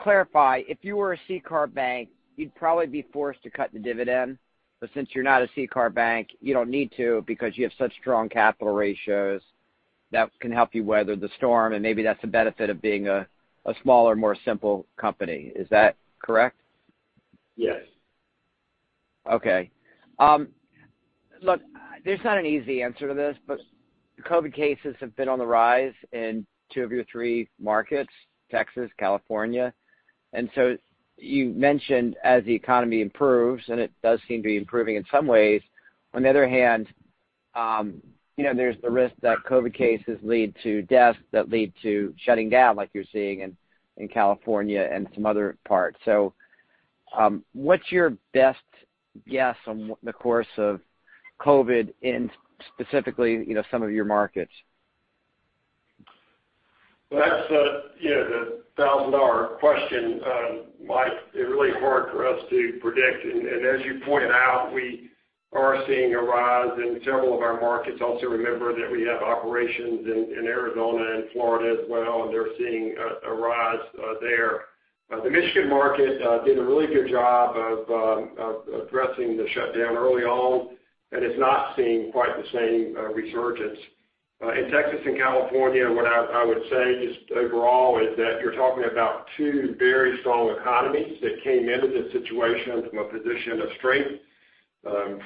clarify, if you were a CCAR bank, you'd probably be forced to cut the dividend. Since you're not a CCAR bank, you don't need to because you have such strong capital ratios that can help you weather the storm, and maybe that's the benefit of being a smaller, more simple company. Is that correct? Yes. Okay. Look, there's not an easy answer to this. COVID-19 cases have been on the rise in two of your three markets, Texas, California. You mentioned as the economy improves, and it does seem to be improving in some ways, on the other hand, there's the risk that COVID-19 cases lead to deaths that lead to shutting down like you're seeing in California and some other parts. What's your best guess on the course of COVID-19 in specifically some of your markets? Well, that's the $1,000 question, Mike. It's really hard for us to predict. As you pointed out, we are seeing a rise in several of our markets. Also remember that we have operations in Arizona and Florida as well, and they're seeing a rise there. The Michigan market did a really good job of addressing the shutdown early on and is not seeing quite the same resurgence. In Texas and California, what I would say just overall is that you're talking about two very strong economies that came into this situation from a position of strength.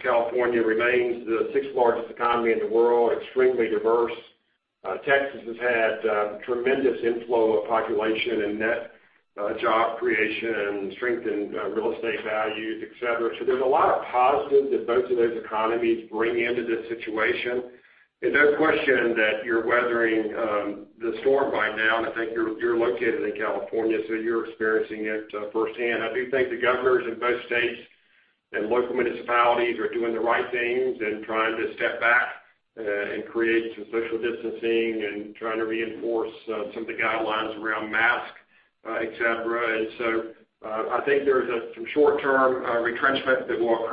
California remains the sixth-largest economy in the world, extremely diverse. Texas has had tremendous inflow of population and net job creation and strengthened real estate values, et cetera. There's a lot of positive that both of those economies bring into this situation. There's no question that you're weathering the storm by now. I think you're located in California, so you're experiencing it firsthand. I do think the governors in both states and local municipalities are doing the right things and trying to step back and create some social distancing and trying to reinforce some of the guidelines around mask, et cetera. I think there's some short-term retrenchment that will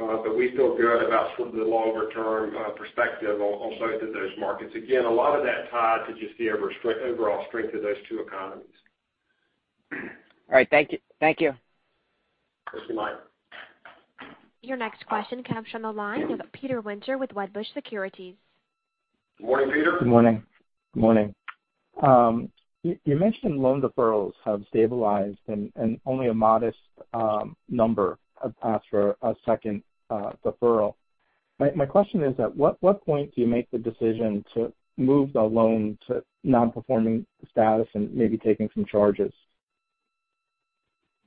occur, but we feel good about sort of the longer-term perspective on both of those markets. Again, a lot of that tied to just the overall strength of those two economies. All right. Thank you. Thank you, Mike. Your next question comes from the line of Peter Winter with Wedbush Securities. Morning, Peter. Good morning. You mentioned loan deferrals have stabilized and only a modest number have asked for a second deferral. My question is at what point do you make the decision to move the loan to non-performing status and maybe taking some charges?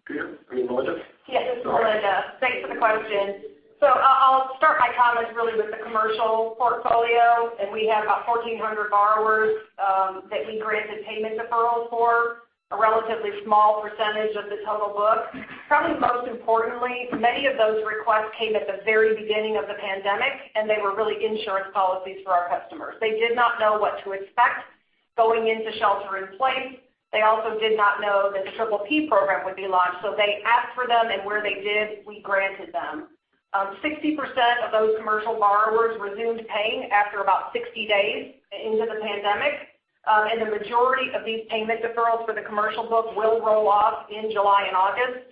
Peter, [are you] Melinda? Yeah, this is Melinda. Thanks for the question. I'll start my comments really with the commercial portfolio. We have about 1,400 borrowers that we granted payment deferral for, a relatively small percentage of the total book. Probably most importantly, many of those requests came at the very beginning of the pandemic, and they were really insurance policies for our customers. They did not know what to expect going into shelter in place. They also did not know that the PPP Program would be launched, so they asked for them, and where they did, we granted them. 60% of those commercial borrowers resumed paying after about 60 days into the pandemic. The majority of these payment deferrals for the commercial book will roll off in July and August.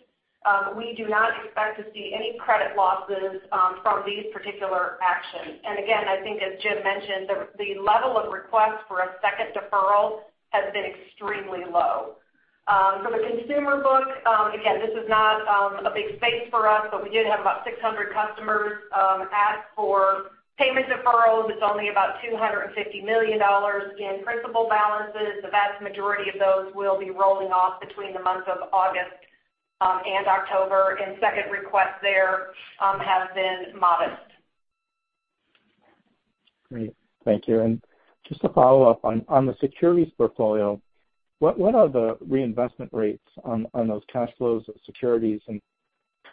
We do not expect to see any credit losses from these particular actions. Again, I think as Jim mentioned, the level of requests for a second deferral has been extremely low. For the consumer book, again, this is not a big space for us, but we did have about 600 customers ask for payment deferrals. It's only about $250 million in principal balances. The vast majority of those will be rolling off between the months of August and October, and second requests there have been modest. Great. Thank you. Just to follow up, on the securities portfolio, what are the reinvestment rates on those cash flows of securities and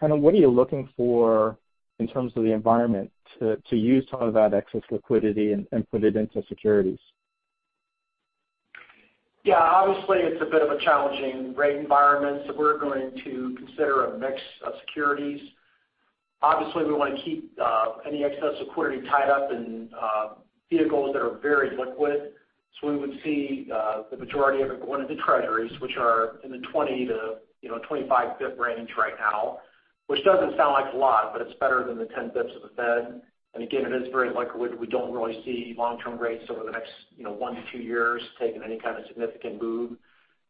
kind of what are you looking for in terms of the environment to use some of that excess liquidity and put it into securities? Yeah. Obviously, it's a bit of a challenging rate environment, we're going to consider a mix of securities. Obviously, we want to keep any excess liquidity tied up in vehicles that are very liquid. We would see the majority of it go into Treasuries, which are in the 20 basis points-25 basis points range right now, which doesn't sound like a lot, but it's better than the 10 basis points of the Fed. Again, it is very liquid. We don't really see long-term rates over the next one to two years taking any kind of significant move.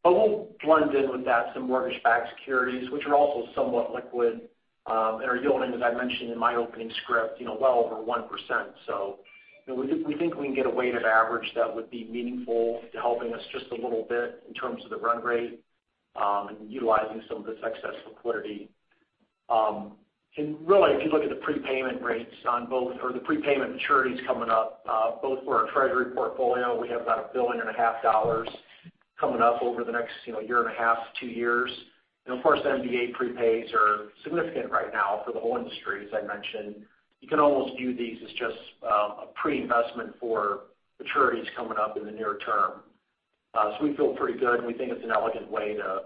We'll blend in with that some mortgage-backed securities, which are also somewhat liquid and are yielding, as I mentioned in my opening script, well over 1%. We think we can get a weighted average that would be meaningful to helping us just a little bit in terms of the run rate and utilizing some of this excess liquidity. If you look at the prepayment rates or the prepayment maturities coming up, both for our Treasury portfolio, we have about a billion and a half dollars coming up over the next year and a half, two years. MBS prepays are significant right now for the whole industry, as I mentioned. You can almost view these as just a pre-investment for maturities coming up in the near term. We feel pretty good, and we think it's an elegant way to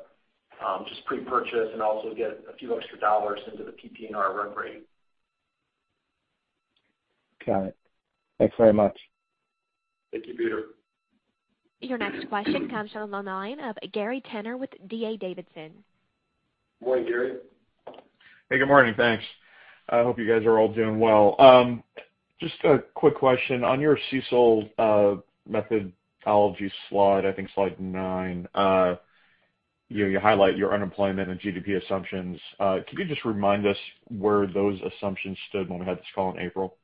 just pre-purchase and also get a few extra dollars into the PPNR run rate. Got it. Thanks very much. Thank you, Peter. Your next question comes on the line of Gary Tenner with D.A. Davidson. Morning, Gary. Hey, good morning. Thanks. I hope you guys are all doing well. Just a quick question. On your CECL methodology slide, I think slide nine, you highlight your unemployment and GDP assumptions. Could you just remind us where those assumptions stood when we had this call in April?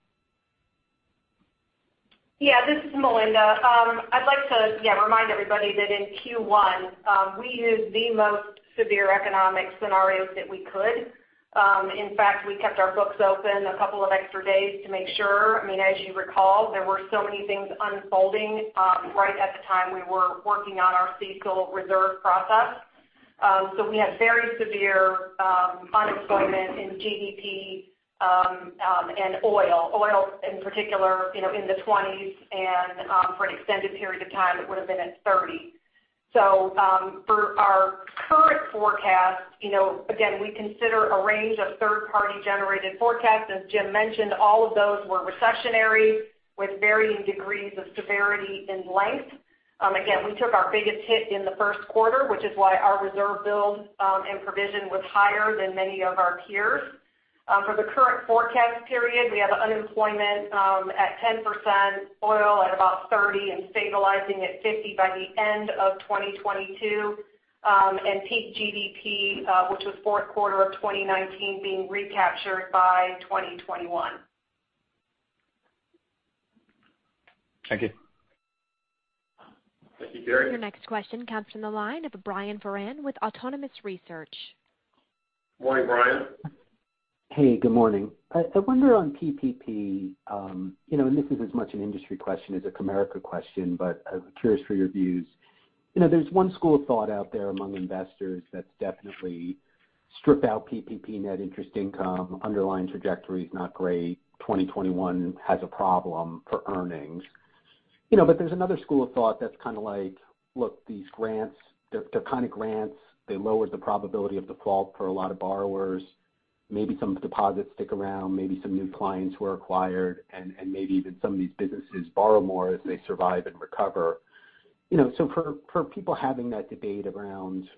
Yeah. This is Melinda. I'd like to remind everybody that in Q1, we used the most severe economic scenarios that we could. In fact, we kept our books open a couple of extra days to make sure. As you recall, there were so many things unfolding right at the time we were working on our CECL reserve process. We had very severe unemployment in GDP and oil. Oil in particular in the 20s, and for an extended period of time, it would have been at 30. For our current forecast, again, we consider a range of third-party generated forecasts. As Jim mentioned, all of those were recessionary with varying degrees of severity and length. Again, we took our biggest hit in the first quarter, which is why our reserve build and provision was higher than many of our peers. For the current forecast period, we have unemployment at 10%, oil at about $30 and stabilizing at $50 by the end of 2022, and peak GDP which was fourth quarter of 2019 being recaptured by 2021. Thank you. Thank you, Gary. Your next question comes from the line of Brian Foran with Autonomous Research. Morning, Brian. Hey, good morning. I wonder on PPP, and this is as much an industry question as a Comerica question, but I was curious for your views. There's one school of thought out there among investors that's definitely strip out PPP net interest income, underlying trajectory's not great, 2021 has a problem for earnings. There's another school of thought that's kind of like, look, these grants, they're kind of grants. They lower the probability of default for a lot of borrowers. Maybe some deposits stick around, maybe some new clients were acquired, and maybe even some of these businesses borrow more as they survive and recover. For people having that debate around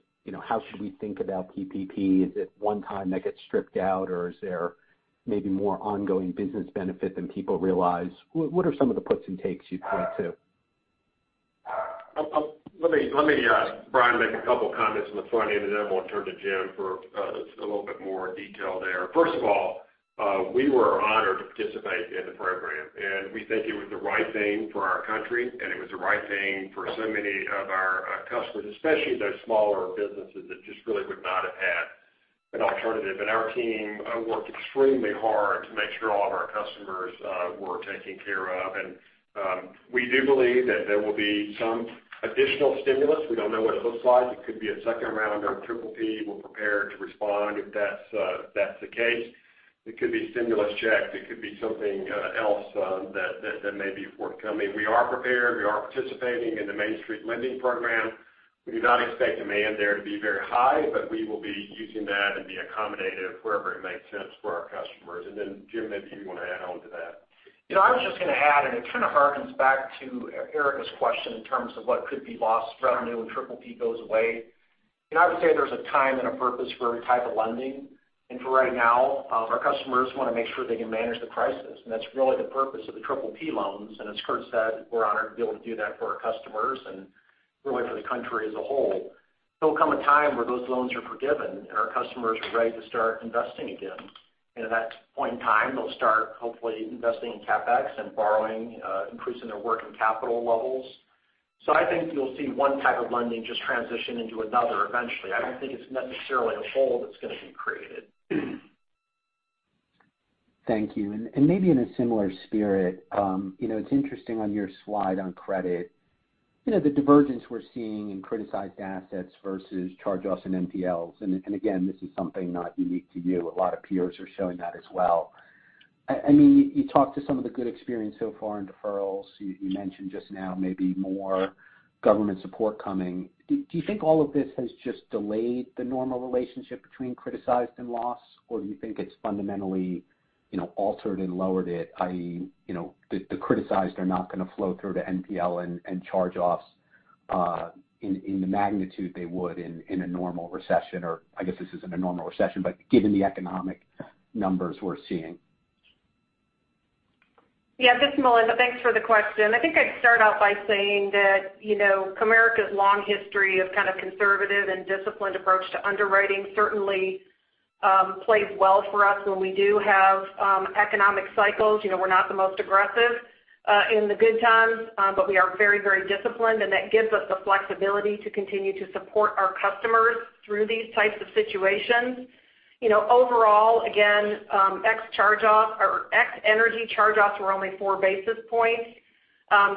how should we think about PPP, is it one-time that gets stripped out, or is there maybe more ongoing business benefit than people realize? What are some of the puts and takes you'd point to? Let me, Brian, make a couple comments on the front end, and then I want to turn to Jim for a little bit more detail there. First of all, we were honored to participate in the program, and we think it was the right thing for our country, and it was the right thing for so many of our customers, especially those smaller businesses that just really would not have had an alternative. Our team worked extremely hard to make sure all of our customers were taken care of. We do believe that there will be some additional stimulus. We don't know what it looks like. It could be a second round of PPP. We're prepared to respond if that's the case. It could be stimulus checks. It could be something else that may be forthcoming. We are prepared. We are participating in the Main Street Lending Program. We do not expect demand there to be very high, but we will be using that and be accommodative wherever it makes sense for our customers. Then Jim, maybe you want to add on to that. I was just going to add, it kind of harkens back to Erika's question in terms of what could be lost revenue when Triple P goes away. I would say there's a time and a purpose for every type of lending. For right now, our customers want to make sure they can manage the crisis. That's really the purpose of the Triple P loans. As Curt said, we're honored to be able to do that for our customers and really for the country as a whole. There'll come a time where those loans are forgiven, and our customers are ready to start investing again. At that point in time, they'll start hopefully investing in CapEx and borrowing, increasing their working capital levels. I think you'll see 1 type of lending just transition into another eventually. I don't think it's necessarily a hole that's going to be created. Thank you. Maybe in a similar spirit, it's interesting on your slide on credit, the divergence we're seeing in criticized assets versus charge-offs and NPLs. Again, this is something not unique to you. A lot of peers are showing that as well. You talked to some of the good experience so far in deferrals. You mentioned just now maybe more government support coming. Do you think all of this has just delayed the normal relationship between criticized and loss, or do you think it's fundamentally altered and lowered it, i.e., the criticized are not going to flow through to NPL and charge-offs in the magnitude they would in a normal recession? I guess this isn't a normal recession, but given the economic numbers we're seeing. This is Melinda. Thanks for the question. I think I'd start out by saying that Comerica's long history of conservative and disciplined approach to underwriting certainly plays well for us when we do have economic cycles. We're not the most aggressive in the good times. We are very disciplined, and that gives us the flexibility to continue to support our customers through these types of situations. Overall, again, ex energy charge-offs were only four basis points.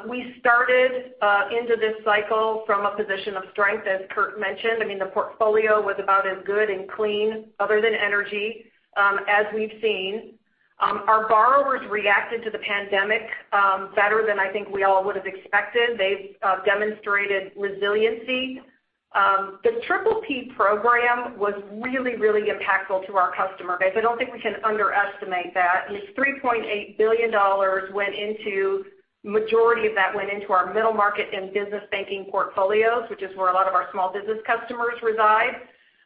We started into this cycle from a position of strength, as Curt mentioned. The portfolio was about as good and clean, other than energy, as we've seen. Our borrowers reacted to the pandemic better than I think we all would've expected. They've demonstrated resiliency. The PPP program was really impactful to our customer base. I don't think we can underestimate that. At least $3.8 billion, majority of that went into our middle market and Business Banking portfolios, which is where a lot of our small business customers reside.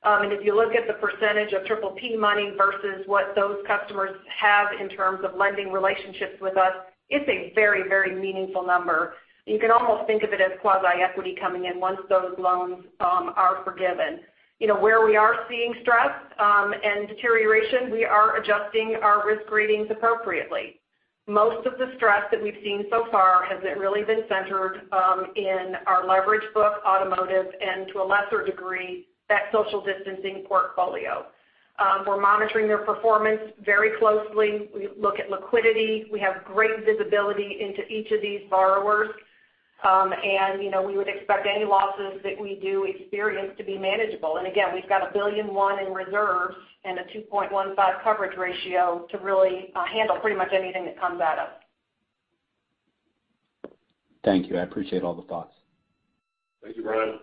If you look at the % of PPP money versus what those customers have in terms of lending relationships with us, it's a very meaningful number. You can almost think of it as quasi-equity coming in once those loans are forgiven. Where we are seeing stress and deterioration, we are adjusting our risk ratings appropriately. Most of the stress that we've seen so far has really been centered in our leverage book, automotive, and to a lesser degree, that social distancing portfolio. We're monitoring their performance very closely. We look at liquidity. We have great visibility into each of these borrowers. We would expect any losses that we do experience to be manageable. Again, we've got $1.1 billion in reserves and a 2.15 coverage ratio to really handle pretty much anything that comes at us. Thank you. I appreciate all the thoughts. Thank you, Brian.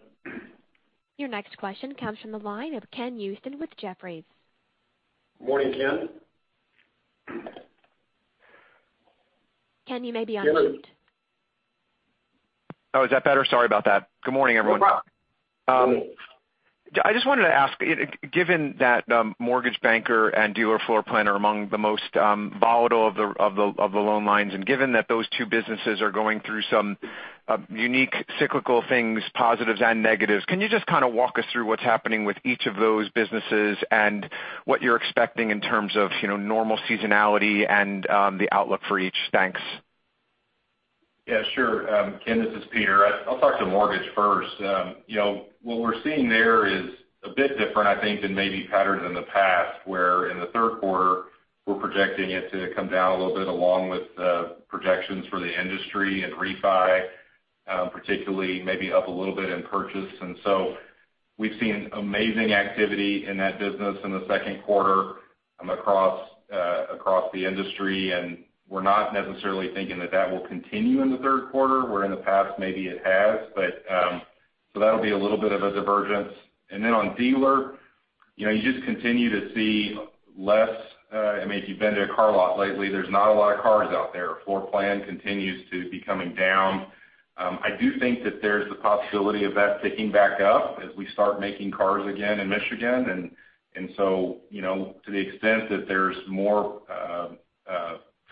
Your next question comes from the line of Ken Usdin with Jefferies. Morning, Ken. Ken, you may be unmuted. Oh, is that better? Sorry about that. Good morning, everyone. No problem. I just wanted to ask, given that Mortgage Banker and dealer floor plan are among the most volatile of the loan lines, and given that those two businesses are going through some unique cyclical things, positives and negatives, can you just walk us through what's happening with each of those businesses and what you're expecting in terms of normal seasonality and the outlook for each? Thanks. Yeah, sure. Ken, this is Peter. I'll talk to mortgage first. What we're seeing there is a bit different, I think, than maybe patterns in the past where in the third quarter, we're projecting it to come down a little bit along with projections for the industry and refi particularly maybe up a little bit in purchase. We've seen amazing activity in that business in the second quarter across the industry, and we're not necessarily thinking that that will continue in the third quarter, where in the past maybe it has. That'll be a little bit of a divergence. On dealer, you just continue to see less. If you've been to a car lot lately, there's not a lot of cars out there. Floor plan continues to be coming down. I do think that there's the possibility of that ticking back up as we start making cars again in Michigan. To the extent that there's more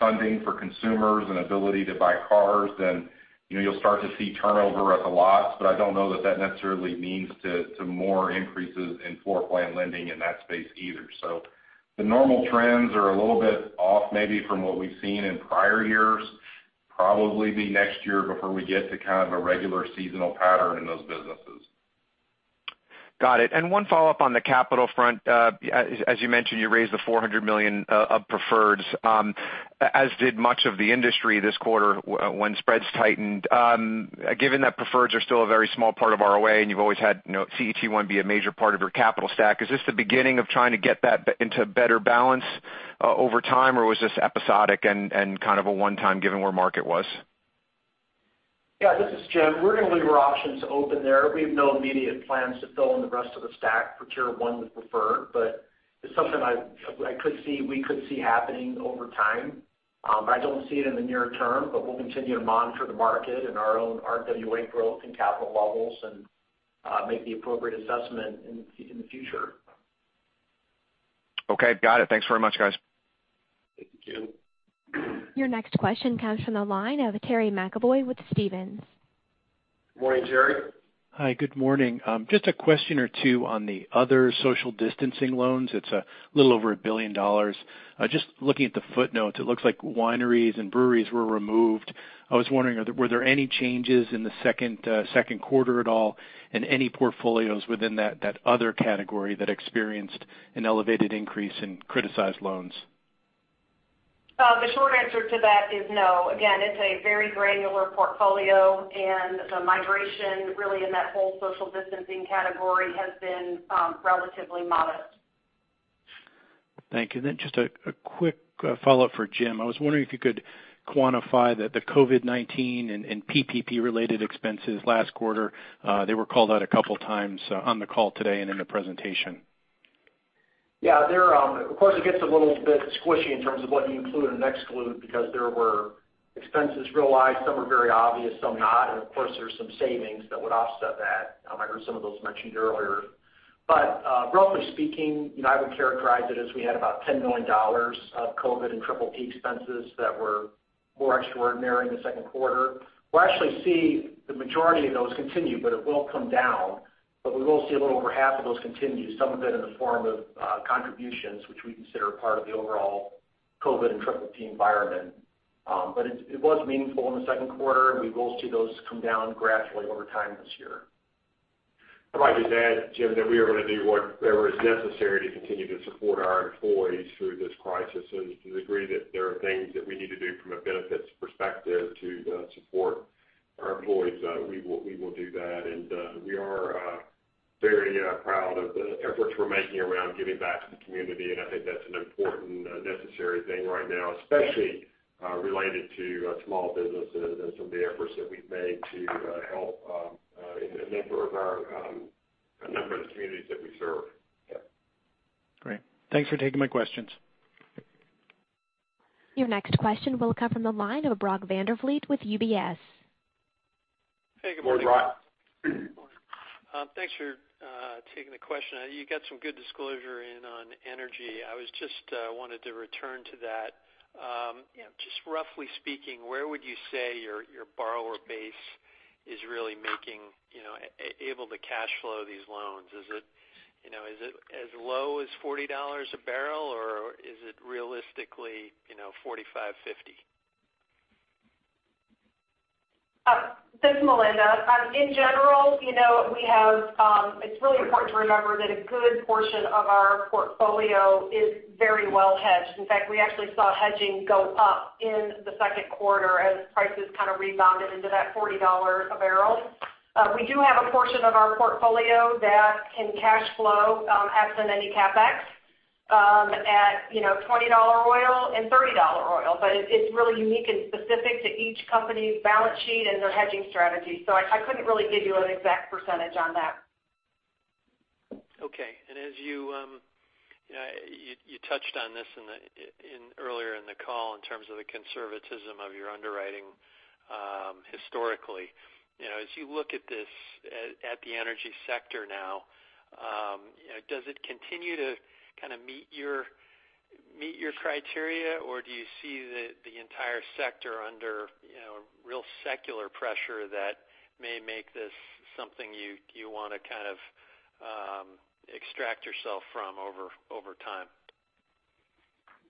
funding for consumers and ability to buy cars, then you'll start to see turnover at the lots. I don't know that that necessarily means to more increases in floor plan lending in that space either. The normal trends are a little bit off maybe from what we've seen in prior years. Probably be next year before we get to kind of a regular seasonal pattern in those businesses. Got it. One follow-up on the capital front. As you mentioned, you raised the $400 million of preferreds as did much of the industry this quarter when spreads tightened. Given that preferreds are still a very small part of ROA, and you've always had CET1 be a major part of your capital stack, is this the beginning of trying to get that into better balance over time, or was this episodic and kind of a one-time given where market was? Yeah, this is Jim. We're going to leave our options open there. We have no immediate plans to fill in the rest of the stack for Tier 1 with preferred. It's something we could see happening over time. I don't see it in the near term. We'll continue to monitor the market and our own RWA growth and capital levels and make the appropriate assessment in the future. Okay. Got it. Thanks very much, guys. Thank you. Your next question comes from the line of Terry McEvoy with Stephens. Morning, Terry. Hi, good morning. Just a question or two on the other social distancing loans. It's a little over $1 billion. Just looking at the footnotes, it looks like wineries and breweries were removed. I was wondering, were there any changes in the second quarter at all, and any portfolios within that other category that experienced an elevated increase in criticized loans? The short answer to that is no. Again, it's a very granular portfolio, and the migration really in that whole social distancing category has been relatively modest. Thank you. Just a quick follow-up for Jim. I was wondering if you could quantify the COVID-19 and PPP related expenses last quarter. They were called out a couple of times on the call today and in the presentation. Yeah. Of course, it gets a little bit squishy in terms of what you include and exclude because there were expenses realized. Some were very obvious, some not. Of course, there's some savings that would offset that. I heard some of those mentioned earlier. Roughly speaking, I would characterize it as we had about $10 million of COVID and PPP expenses that were more extraordinary in the second quarter. We'll actually see the majority of those continue, but it will come down. We will see a little over half of those continue, some of it in the form of contributions, which we consider part of the overall COVID and PPP environment. It was meaningful in the second quarter. We will see those come down gradually over time this year. I'd probably just add, Jim, that we are going to do whatever is necessary to continue to support our employees through this crisis. To the degree that there are things that we need to do from a benefits perspective to support our employees, we will do that. We are very proud of the efforts we're making around giving back to the community, and I think that's an important, necessary thing right now, especially related to small businesses and some of the efforts that we've made to help a number of the communities that we serve. Yeah. Great. Thanks for taking my questions. Your next question will come from the line of Brock Vandervliet with UBS. Hey, good morning. Good morning, Brock. Thanks for taking the question. You got some good disclosure in on energy. I just wanted to return to that. Just roughly speaking, where would you say your borrower base is really able to cash flow these loans? Is it as low as $40 a barrel, or is it realistically $45, $50? This is Melinda. In general, it's really important to remember that a good portion of our portfolio is very well hedged. In fact, we actually saw hedging go up in the second quarter as prices kind of rebounded into that $40 a barrel. We do have a portion of our portfolio that can cash flow, absent any CapEx, at $20 oil and $30 oil. It's really unique and specific to each company's balance sheet and their hedging strategy. I couldn't really give you an exact percentage on that. Okay. You touched on this earlier in the call in terms of the conservatism of your underwriting historically. As you look at the energy sector now, does it continue to kind of meet your criteria, or do you see the entire sector under real secular pressure that may make this something you want to kind of extract yourself from over time?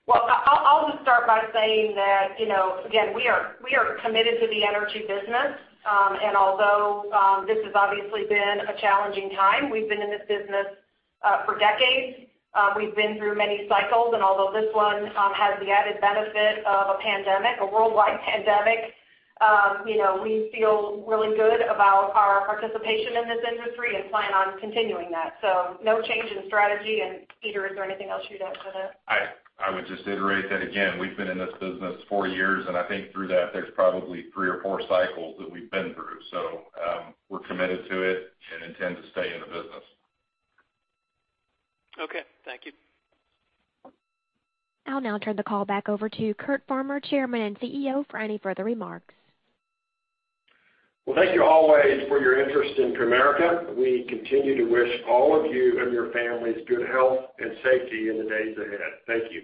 Well, I'll just start by saying that, again, we are committed to the energy business. Although this has obviously been a challenging time, we've been in this business for decades. We've been through many cycles, and although this one has the added benefit of a pandemic, a worldwide pandemic, we feel really good about our participation in this industry and plan on continuing that. No change in strategy. Peter, is there anything else you'd add to that? I would just reiterate that again, we've been in this business for years, and I think through that, there's probably three or four cycles that we've been through. We're committed to it and intend to stay in the business. Okay. Thank you. I'll now turn the call back over to Curt Farmer, Chairman and CEO, for any further remarks. Well, thank you always for your interest in Comerica. We continue to wish all of you and your families good health and safety in the days ahead. Thank you.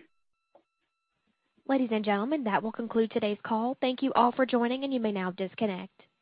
Ladies and gentlemen, that will conclude today's call. Thank you all for joining, and you may now disconnect.